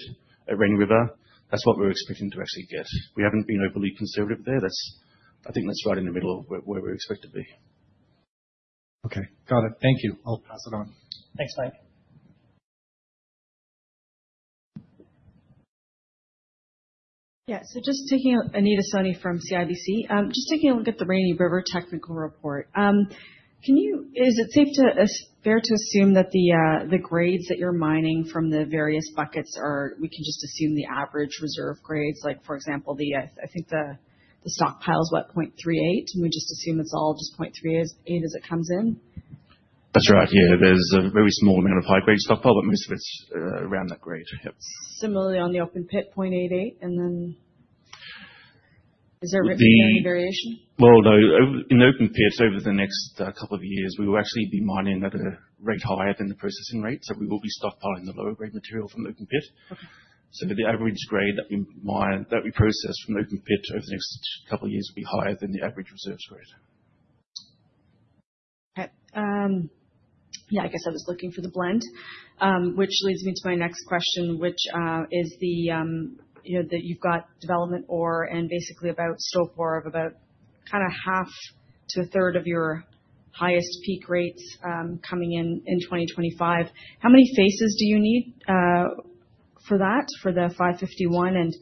at Rainy River, that's what we're expecting to actually get. We haven't been overly conservative there. I think that's right in the middle of where we expect to be. Okay. Got it. Thank you. I'll pass it on. Thanks, Mike. Yeah, so just taking Anita Soni from CIBC, just taking a look at the Rainy River technical report, is it fair to assume that the grades that you're mining from the various buckets are, we can just assume the average reserve grades, like for example, I think the stockpile is what, 0.38? And we just assume it's all just 0.38 as it comes in? That's right. Yeah. There's a very small amount of high-grade stockpile, but most of it's around that grade. Similarly, on the open pit, 0.88? And then is there any variation? No. In the open pit, over the next couple of years, we will actually be mining at a rate higher than the processing rate. So we will be stockpiling the lower-grade material from the open pit. So the average grade that we process from the open pit over the next couple of years will be higher than the average reserves grade. Okay. I was looking for the blend, which leads me to my next question, which is, you've got development ore and basically about stope production of about half to a third of your highest peak rates coming in 2025. How many phases do you need for that, for the 551? And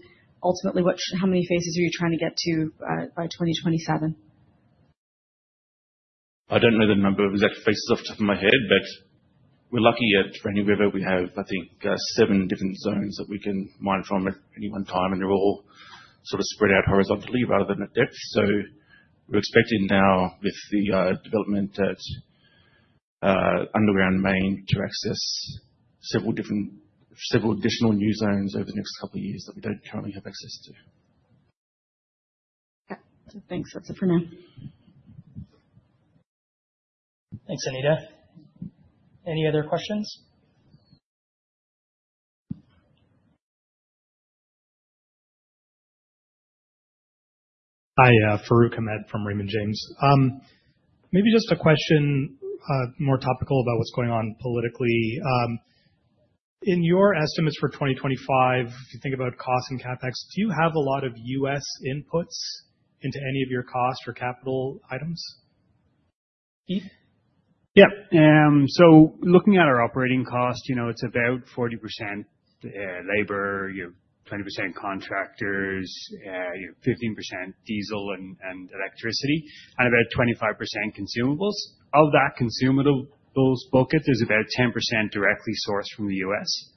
ultimately, how many phases are you trying to get to by 2027? I don't know the exact number of phases off the top of my head, but we're lucky at Rainy River. We have, I think, seven different zones that we can mine from at any one time, and they're all spread out horizontally rather than at depth. So we're expecting now, with the development at Underground Main, to access several additional new zones over the next couple of years that we don't currently have access to. Okay. Thanks. That's it for now. Thanks, Anita. Any other questions? Hi, Farooq Hamed from Raymond James. Maybe just a question more topical about what's going on politically. In your estimates for 2025, if you think about costs and CapEx, do you have a lot of U.S. inputs into any of your cost or capital items? Keith? Yeah. So looking at our operating costs, it's about 40% labor, 20% contractors, 15% diesel and electricity, and about 25% consumables. Of that consumables bucket, there's about 10% directly sourced from the U.S.,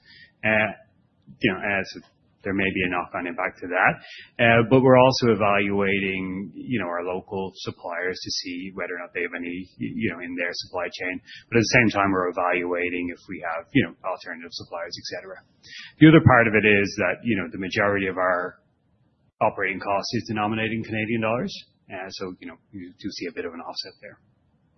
as there may be a knock-on impact to that. But we're also evaluating our local suppliers to see whether or not they have any in their supply chain. But at the same time, we're evaluating if we have alternative suppliers, etc. The other part of it is that the majority of our operating cost is denominated in Canadian dollars. So you do see a bit of an offset there.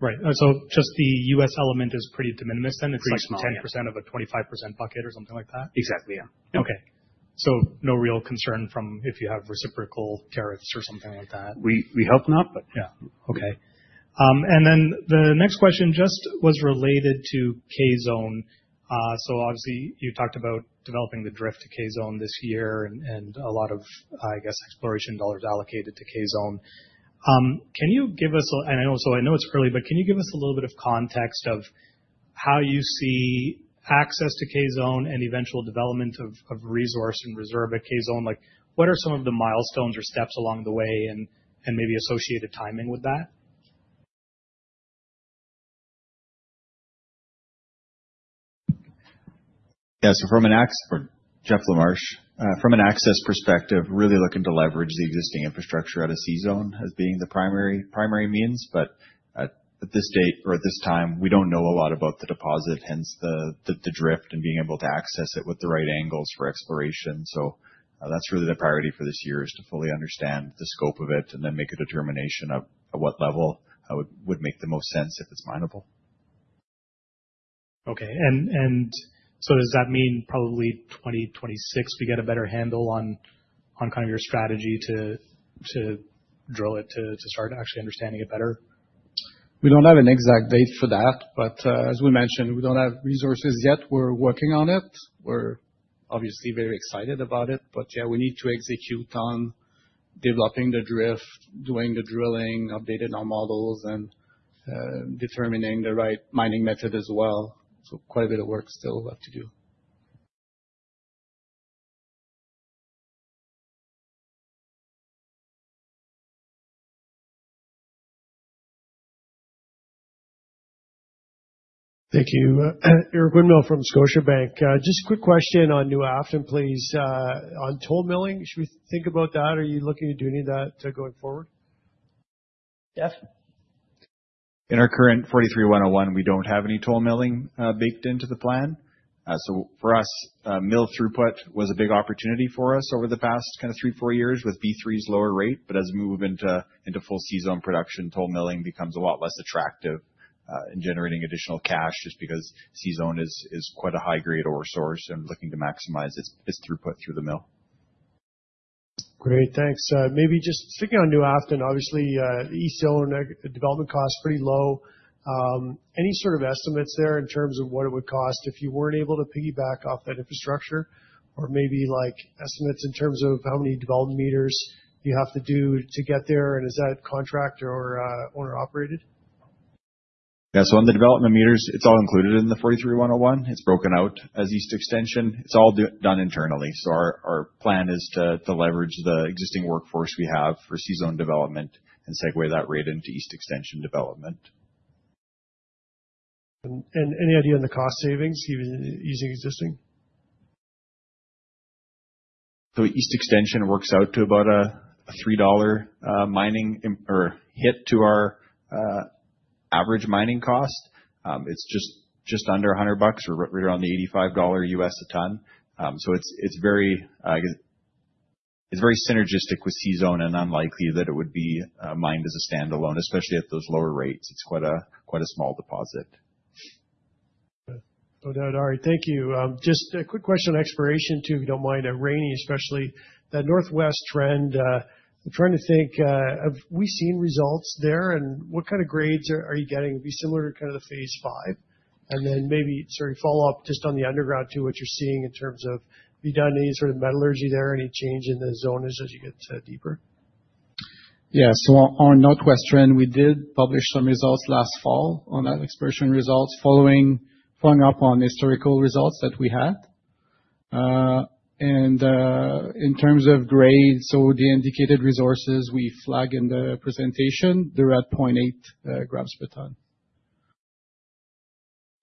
Right. So just the U.S. element is pretty de minimis then? It's like 10% of a 25% bucket or something like that? Exactly. Yeah. Okay. So no real concern from if you have reciprocal tariffs or something like that? We hope not, but yeah. Okay. And then the next question just was related to K-Zone. So obviously, you talked about developing the drift to K-Zone this year and a lot of, exploration dollars allocated to K-Zone. Can you give us a, and I know it's early, but can you give us a little bit of context of how you see access to K-Zone and eventual development of resource and reserve at K-Zone? What are some of the milestones or steps along the way and maybe associated timing with that? Yeah. So from an access perspective, really looking to leverage the existing infrastructure at a C-Zone as being the primary means. But at this date or at this time, we don't know a lot about the deposit, hence the drift and being able to access it with the right angles for exploration. So that's really the priority for this year is to fully understand the scope of it and then make a determination of what level would make the most sense if it's minable. Okay, and so does that mean probably 2026 we get a better handle on your strategy to drill it to start actually understanding it better? We don't have an exact date for that, but as we mentioned, we don't have resources yet. We're working on it. We're obviously very excited about it, but yeah, we need to execute on developing the drift, doing the drilling, updating our models, and determining the right mining method as well. So quite a bit of work still left to do. Thank you. Eric Winmill from Scotiabank. Just a quick question on New Afton, please. On toll milling, should we think about that? Are you looking at doing that going forward? Jeff? In our current 43-101, we don't have any toll milling baked into the plan. So for us, mill throughput was a big opportunity for us over the past three, four years with B3's lower rate. But as we move into full C-Zone production, toll milling becomes a lot less attractive in generating additional cash just because C-Zone is quite a high-grade ore source and looking to maximize its throughput through the mill. Great. Thanks. Maybe just speaking on New Afton, obviously, C-Zone development costs pretty low. Any estimates there in terms of what it would cost if you weren't able to piggyback off that infrastructure? Or maybe estimates in terms of how many development meters you have to do to get there? And is that contract or owner-operated? Yeah. So on the development meters, it's all included in the 43-101. It's broken out as East Extension. It's all done internally. So our plan is to leverage the existing workforce we have for C-Zone development and segue that rate into East Extension development. Any idea on the cost savings using existing? So East Extension works out to about a $3/ton hit to our average mining cost. It's just under $100 or right around the $85 a ton. So it's very synergistic with C-Zone and unlikely that it would be mined as a standalone, especially at those lower rates. It's quite a small deposit. No doubt. Thank you. Just a quick question on exploration too, if you don't mind, at Rainy, especially, that Northwest Trend. I'm trying to think, have we seen results there? And what grades are you getting? Would it be similar to the Phase 5? And then maybe follow up just on the underground too, what you're seeing in terms of, have you done any metallurgy there, any change in the zones as you get deeper? Yeah. So on our Northwest Trend, we did publish some results last fall on our exploration results following up on historical results that we had. And in terms of grade, so the indicated resources we flag in the presentation, they're at 0.8 grams per ton.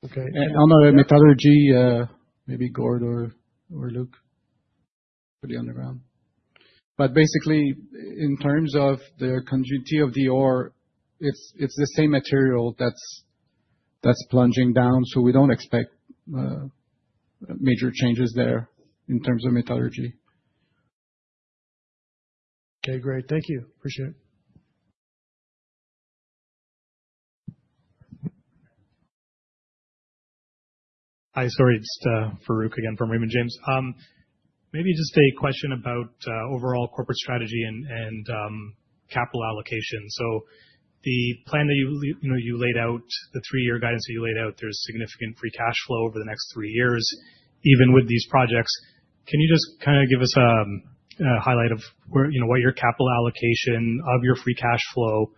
Okay. And on our metallurgy, maybe Gord or Luke for the underground. But basically, in terms of the conductivity of the ore, it's the same material that's plunging down. So we don't expect major changes there in terms of metallurgy. Okay. Great. Thank you. Appreciate it. Hi. Sorry. It's Farooq again from Raymond James. Maybe just a question about overall corporate strategy and capital allocation. So the plan that you laid out, the three-year guidance that you laid out, there's significant free cash flow over the next three years, even with these projects. Can you just give us a highlight of what your capital allocation of your free cash flow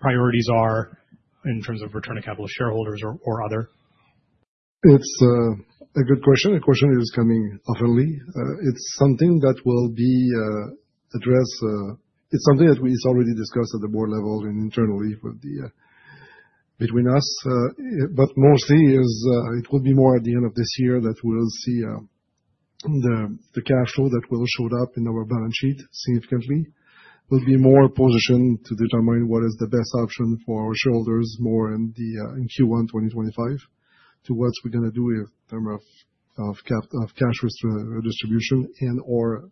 priorities are in terms of return of capital shareholders or other? It's a good question. The question is coming often. It's something that will be addressed. It's something that is already discussed at the board level and internally between us. But mostly, it will be more at the end of this year that we'll see the cash flow that will show up in our balance sheet significantly. We'll be more positioned to determine what is the best option for our shareholders more in Q1 2025 to what we're going to do in terms of cash distribution and/or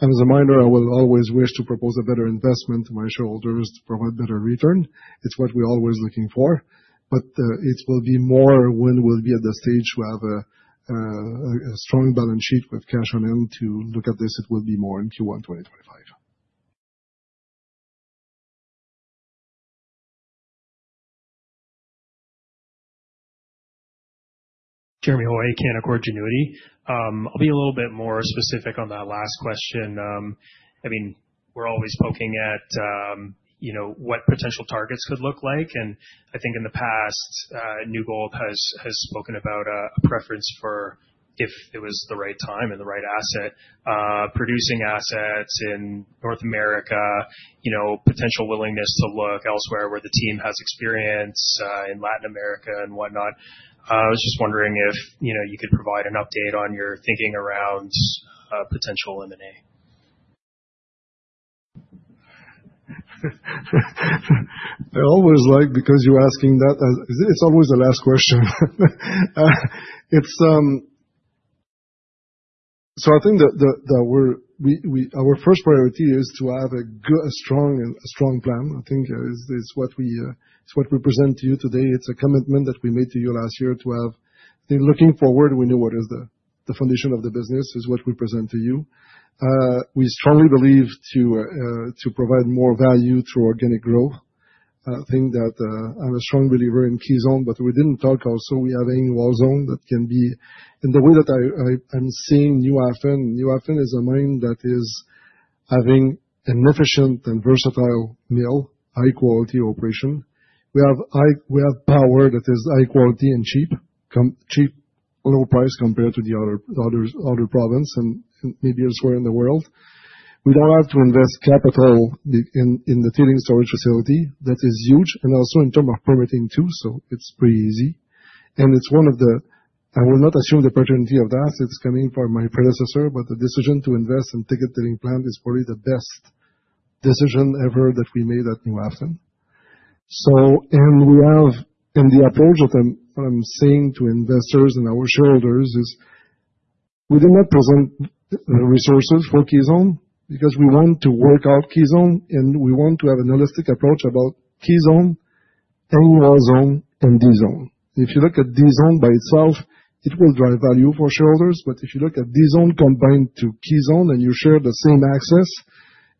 as a miner, I will always wish to propose a better investment to my shareholders to provide better return. It's what we're always looking for. But it will be more when we'll be at the stage to have a strong balance sheet with cash on hand to look at this. It will be more in Q1 2025. Jeremy Hoy, Canaccord Genuity. I'll be a little bit more specific on that last question. I mean, we're always poking at what potential targets could look like. And I think in the past, New Gold has spoken about a preference for, if it was the right time and the right asset, producing assets in North America, potential willingness to look elsewhere where the team has experience in Latin America and whatnot. I was just wondering if you could provide an update on your thinking around potential M&A? I always like, because you're asking that, it's always the last question, so I think that our first priority is to have a strong plan. I think it's what we present to you today. It's a commitment that we made to you last year to have. I think looking forward, we know what is the foundation of the business is what we present to you. We strongly believe to provide more value through organic growth. I think that I'm a strong believer in C-Zone, but we didn't talk also we have a Wall Zone that can be in the way that I'm seeing New Afton. New Afton is a mine that is having an efficient and versatile mill, high-quality operation. We have power that is high-quality and cheap, low price compared to the other province and maybe elsewhere in the world. We don't have to invest capital in the tailings storage facility. That is huge. And also in terms of permitting too, so it's pretty easy. And it's one of the—I will not assume the ownership of that. It's coming from my predecessor, but the decision to invest in thickened tailings plant is probably the best decision ever that we made at New Afton. And the approach that I'm taking to investors and our shareholders is we did not present resources for K-Zone because we want to work out K-Zone and we want to have a holistic approach about K-Zone, Hanging Wall Zone, and D-Zone. If you look at D-Zone by itself, it will drive value for shareholders. But if you look at D-Zone combined to K-Zone and you share the same access,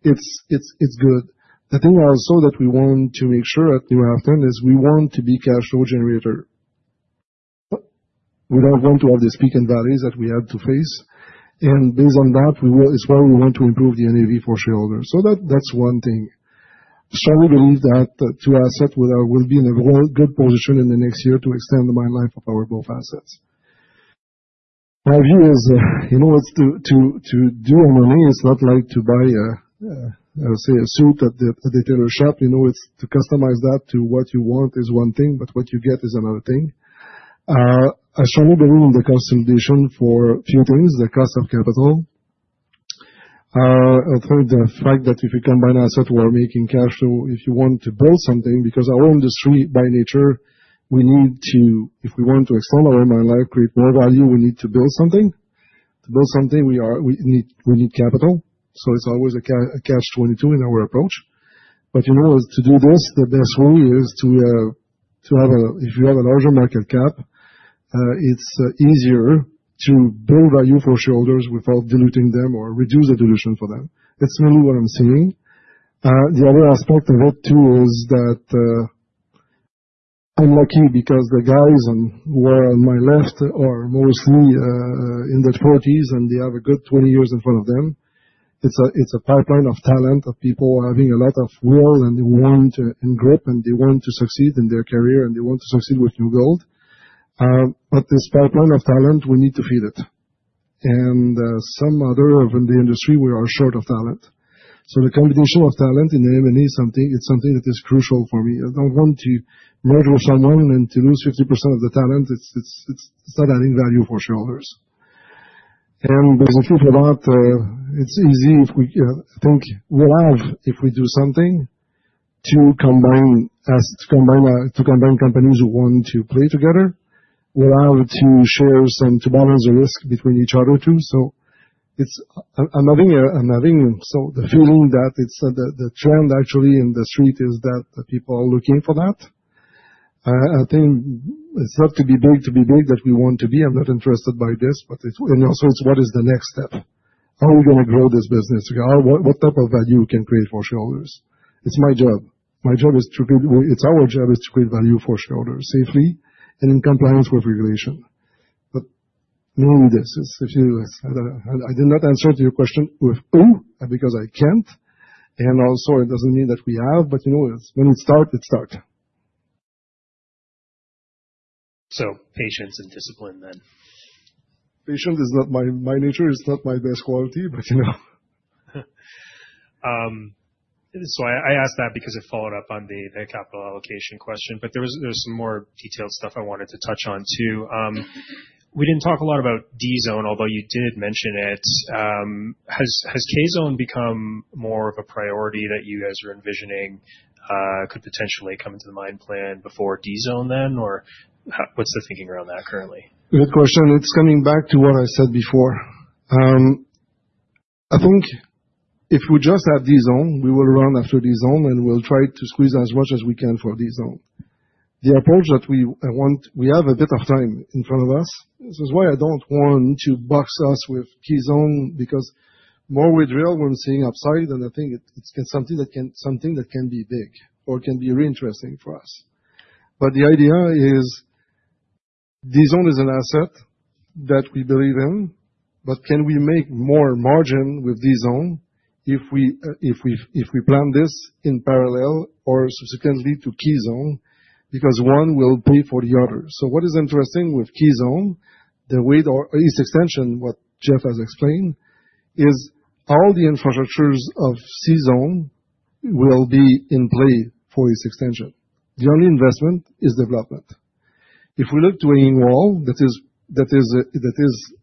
it's good. The thing also that we want to make sure at New Afton is we want to be cash flow generator. We don't want to have the speaking values that we had to face. And based on that, it's why we want to improve the NAV for shareholders. So that's one thing. I strongly believe that two assets will be in a good position in the next year to extend the mine life of our both assets. My view is to do M&A, it's not like to buy, say, a suit at the tailor shop. It's to customize that to what you want is one thing, but what you get is another thing. I strongly believe in the consolidation for few things, the cost of capital. I think the fact that if you combine asset or making cash flow, if you want to build something, because our industry by nature, we need to, if we want to extend our mine life, create more value, we need to build something. To build something, we need capital. So it's always a catch-22 in our approach. But to do this, the best way is to have a—if you have a larger market cap, it's easier to build value for shareholders without diluting them or reduce the dilution for them. That's mainly what I'm seeing. The other aspect of it too is that I'm lucky because the guys who are on my left are mostly in their 40s and they have a good 20 years in front of them. It's a pipeline of talent of people having a lot of will and they want to grip and they want to succeed in their career and they want to succeed with New Gold. But this pipeline of talent, we need to feed it. And some other of the industry, we are short of talent. So the combination of talent in the M&A is something that is crucial for me. I don't want to merge with someone and to lose 50% of the talent. It's not adding value for shareholders. And basically for that, it's easy if we think we'll have, if we do something, to combine companies who want to play together. We'll have to share some to balance the risk between each other too. So I'm having the feeling that the trend actually in the street is that people are looking for that. I think it's not to be big to be big that we want to be. I'm not interested by this, and also it's what is the next step? How are we going to grow this business? What type of value can create for shareholders? It's my job. My job is to create, it's our job is to create value for shareholders safely and in compliance with regulation, but mainly this is, if you're listening, I did not answer to your question with who because I can't, and also it doesn't mean that we have, but when it starts, it starts. So patience and discipline then. Patience is not my nature. It's not my best quality. So I asked that because it followed up on the capital allocation question, but there was some more detailed stuff I wanted to touch on too. We didn't talk a lot about D-Zone, although you did mention it. Has K-Zone become more of a priority that you guys are envisioning could potentially come into the mine plan before D-Zone then? Or what's the thinking around that currently? Good question. It's coming back to what I said before. I think if we just have D-Zone, we will run after D-Zone and we'll try to squeeze as much as we can for D-Zone. The approach that we want, we have a bit of time in front of us. This is why I don't want to box us with C-Zone because more with K, we're seeing upside and I think it's something that can be big or can be really interesting for us. But the idea is D-Zone is an asset that we believe in, but can we make more margin with D-Zone if we plan this in parallel or subsequently to C-Zone? Because one will pay for the other. So what is interesting with K-Zone, the way the East Extension, what Jeff has explained, is all the infrastructures of C-Zone will be in play for East Extension. The only investment is development. If we look to Hanging Wall that is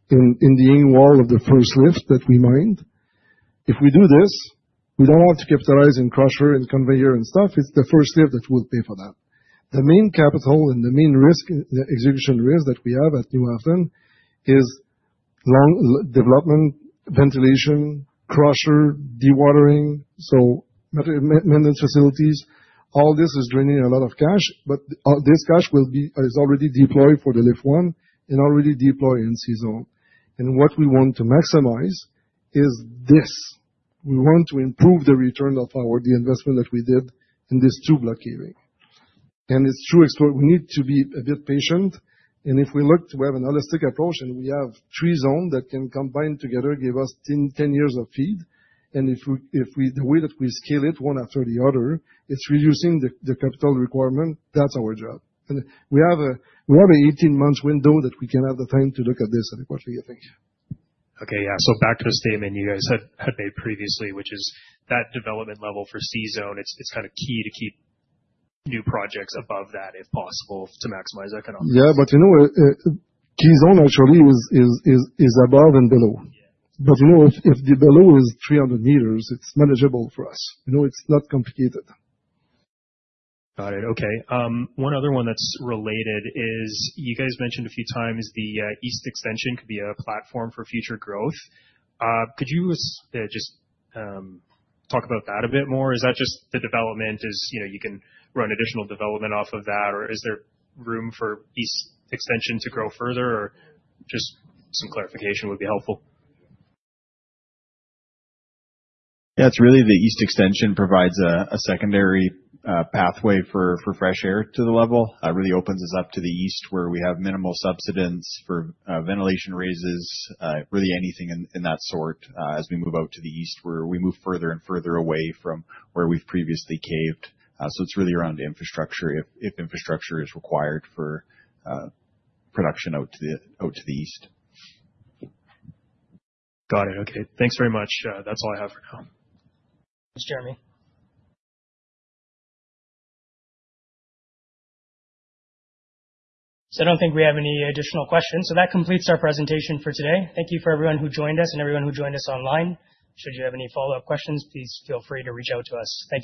in the wall of the first Lift 1 that we mined, if we do this, we don't have to capitalize in crusher and conveyor and stuff. It's the first Lift 1 that will pay for that. The main capital and the main execution risk that we have at New Afton is development, ventilation, crusher, dewatering, so maintenance facilities. All this is draining a lot of cash, but this cash is already deployed for the Lift 1 and already deployed in C-Zone. And what we want to maximize is this. We want to improve the return of the investment that we did in this two block caves. And it's true. We need to be a bit patient. And if we look, we have a holistic approach and we have three zones that can combine together, give us 10 years of feed. And the way that we scale it one after the other, it's reducing the capital requirement. That's our job. And we have an 18-month window that we can have the time to look at this adequately, I think. Okay. Yeah. So back to the statement you guys had made previously, which is that development level for C-Zone, it's key to keep new projects above that if possible to maximize economics. Yeah. But K-Zone actually is above and below. But if the below is 300 meters, it's manageable for us. It's not complicated. Got it. Okay. One other one that's related is you guys mentioned a few times the East Extension could be a platform for future growth. Could you just talk about that a bit more? Is that just the development is you can run additional development off of that, or is there room for East Extension to grow further, or just some clarification would be helpful? Yeah. It's really the East Extension provides a secondary pathway for fresh air to the level. It really opens us up to the east where we have minimal subsidence for ventilation raises, really anything in that sort as we move out to the east where we move further and further away from where we've previously caved. So it's really around infrastructure if infrastructure is required for production out to the east. Got it. Okay. Thanks very much. That's all I have for now. Thanks, Jeremy. So I don't think we have any additional questions. So that completes our presentation for today. Thank you for everyone who joined us and everyone who joined us online. Should you have any follow-up questions, please feel free to reach out to us. Thank you.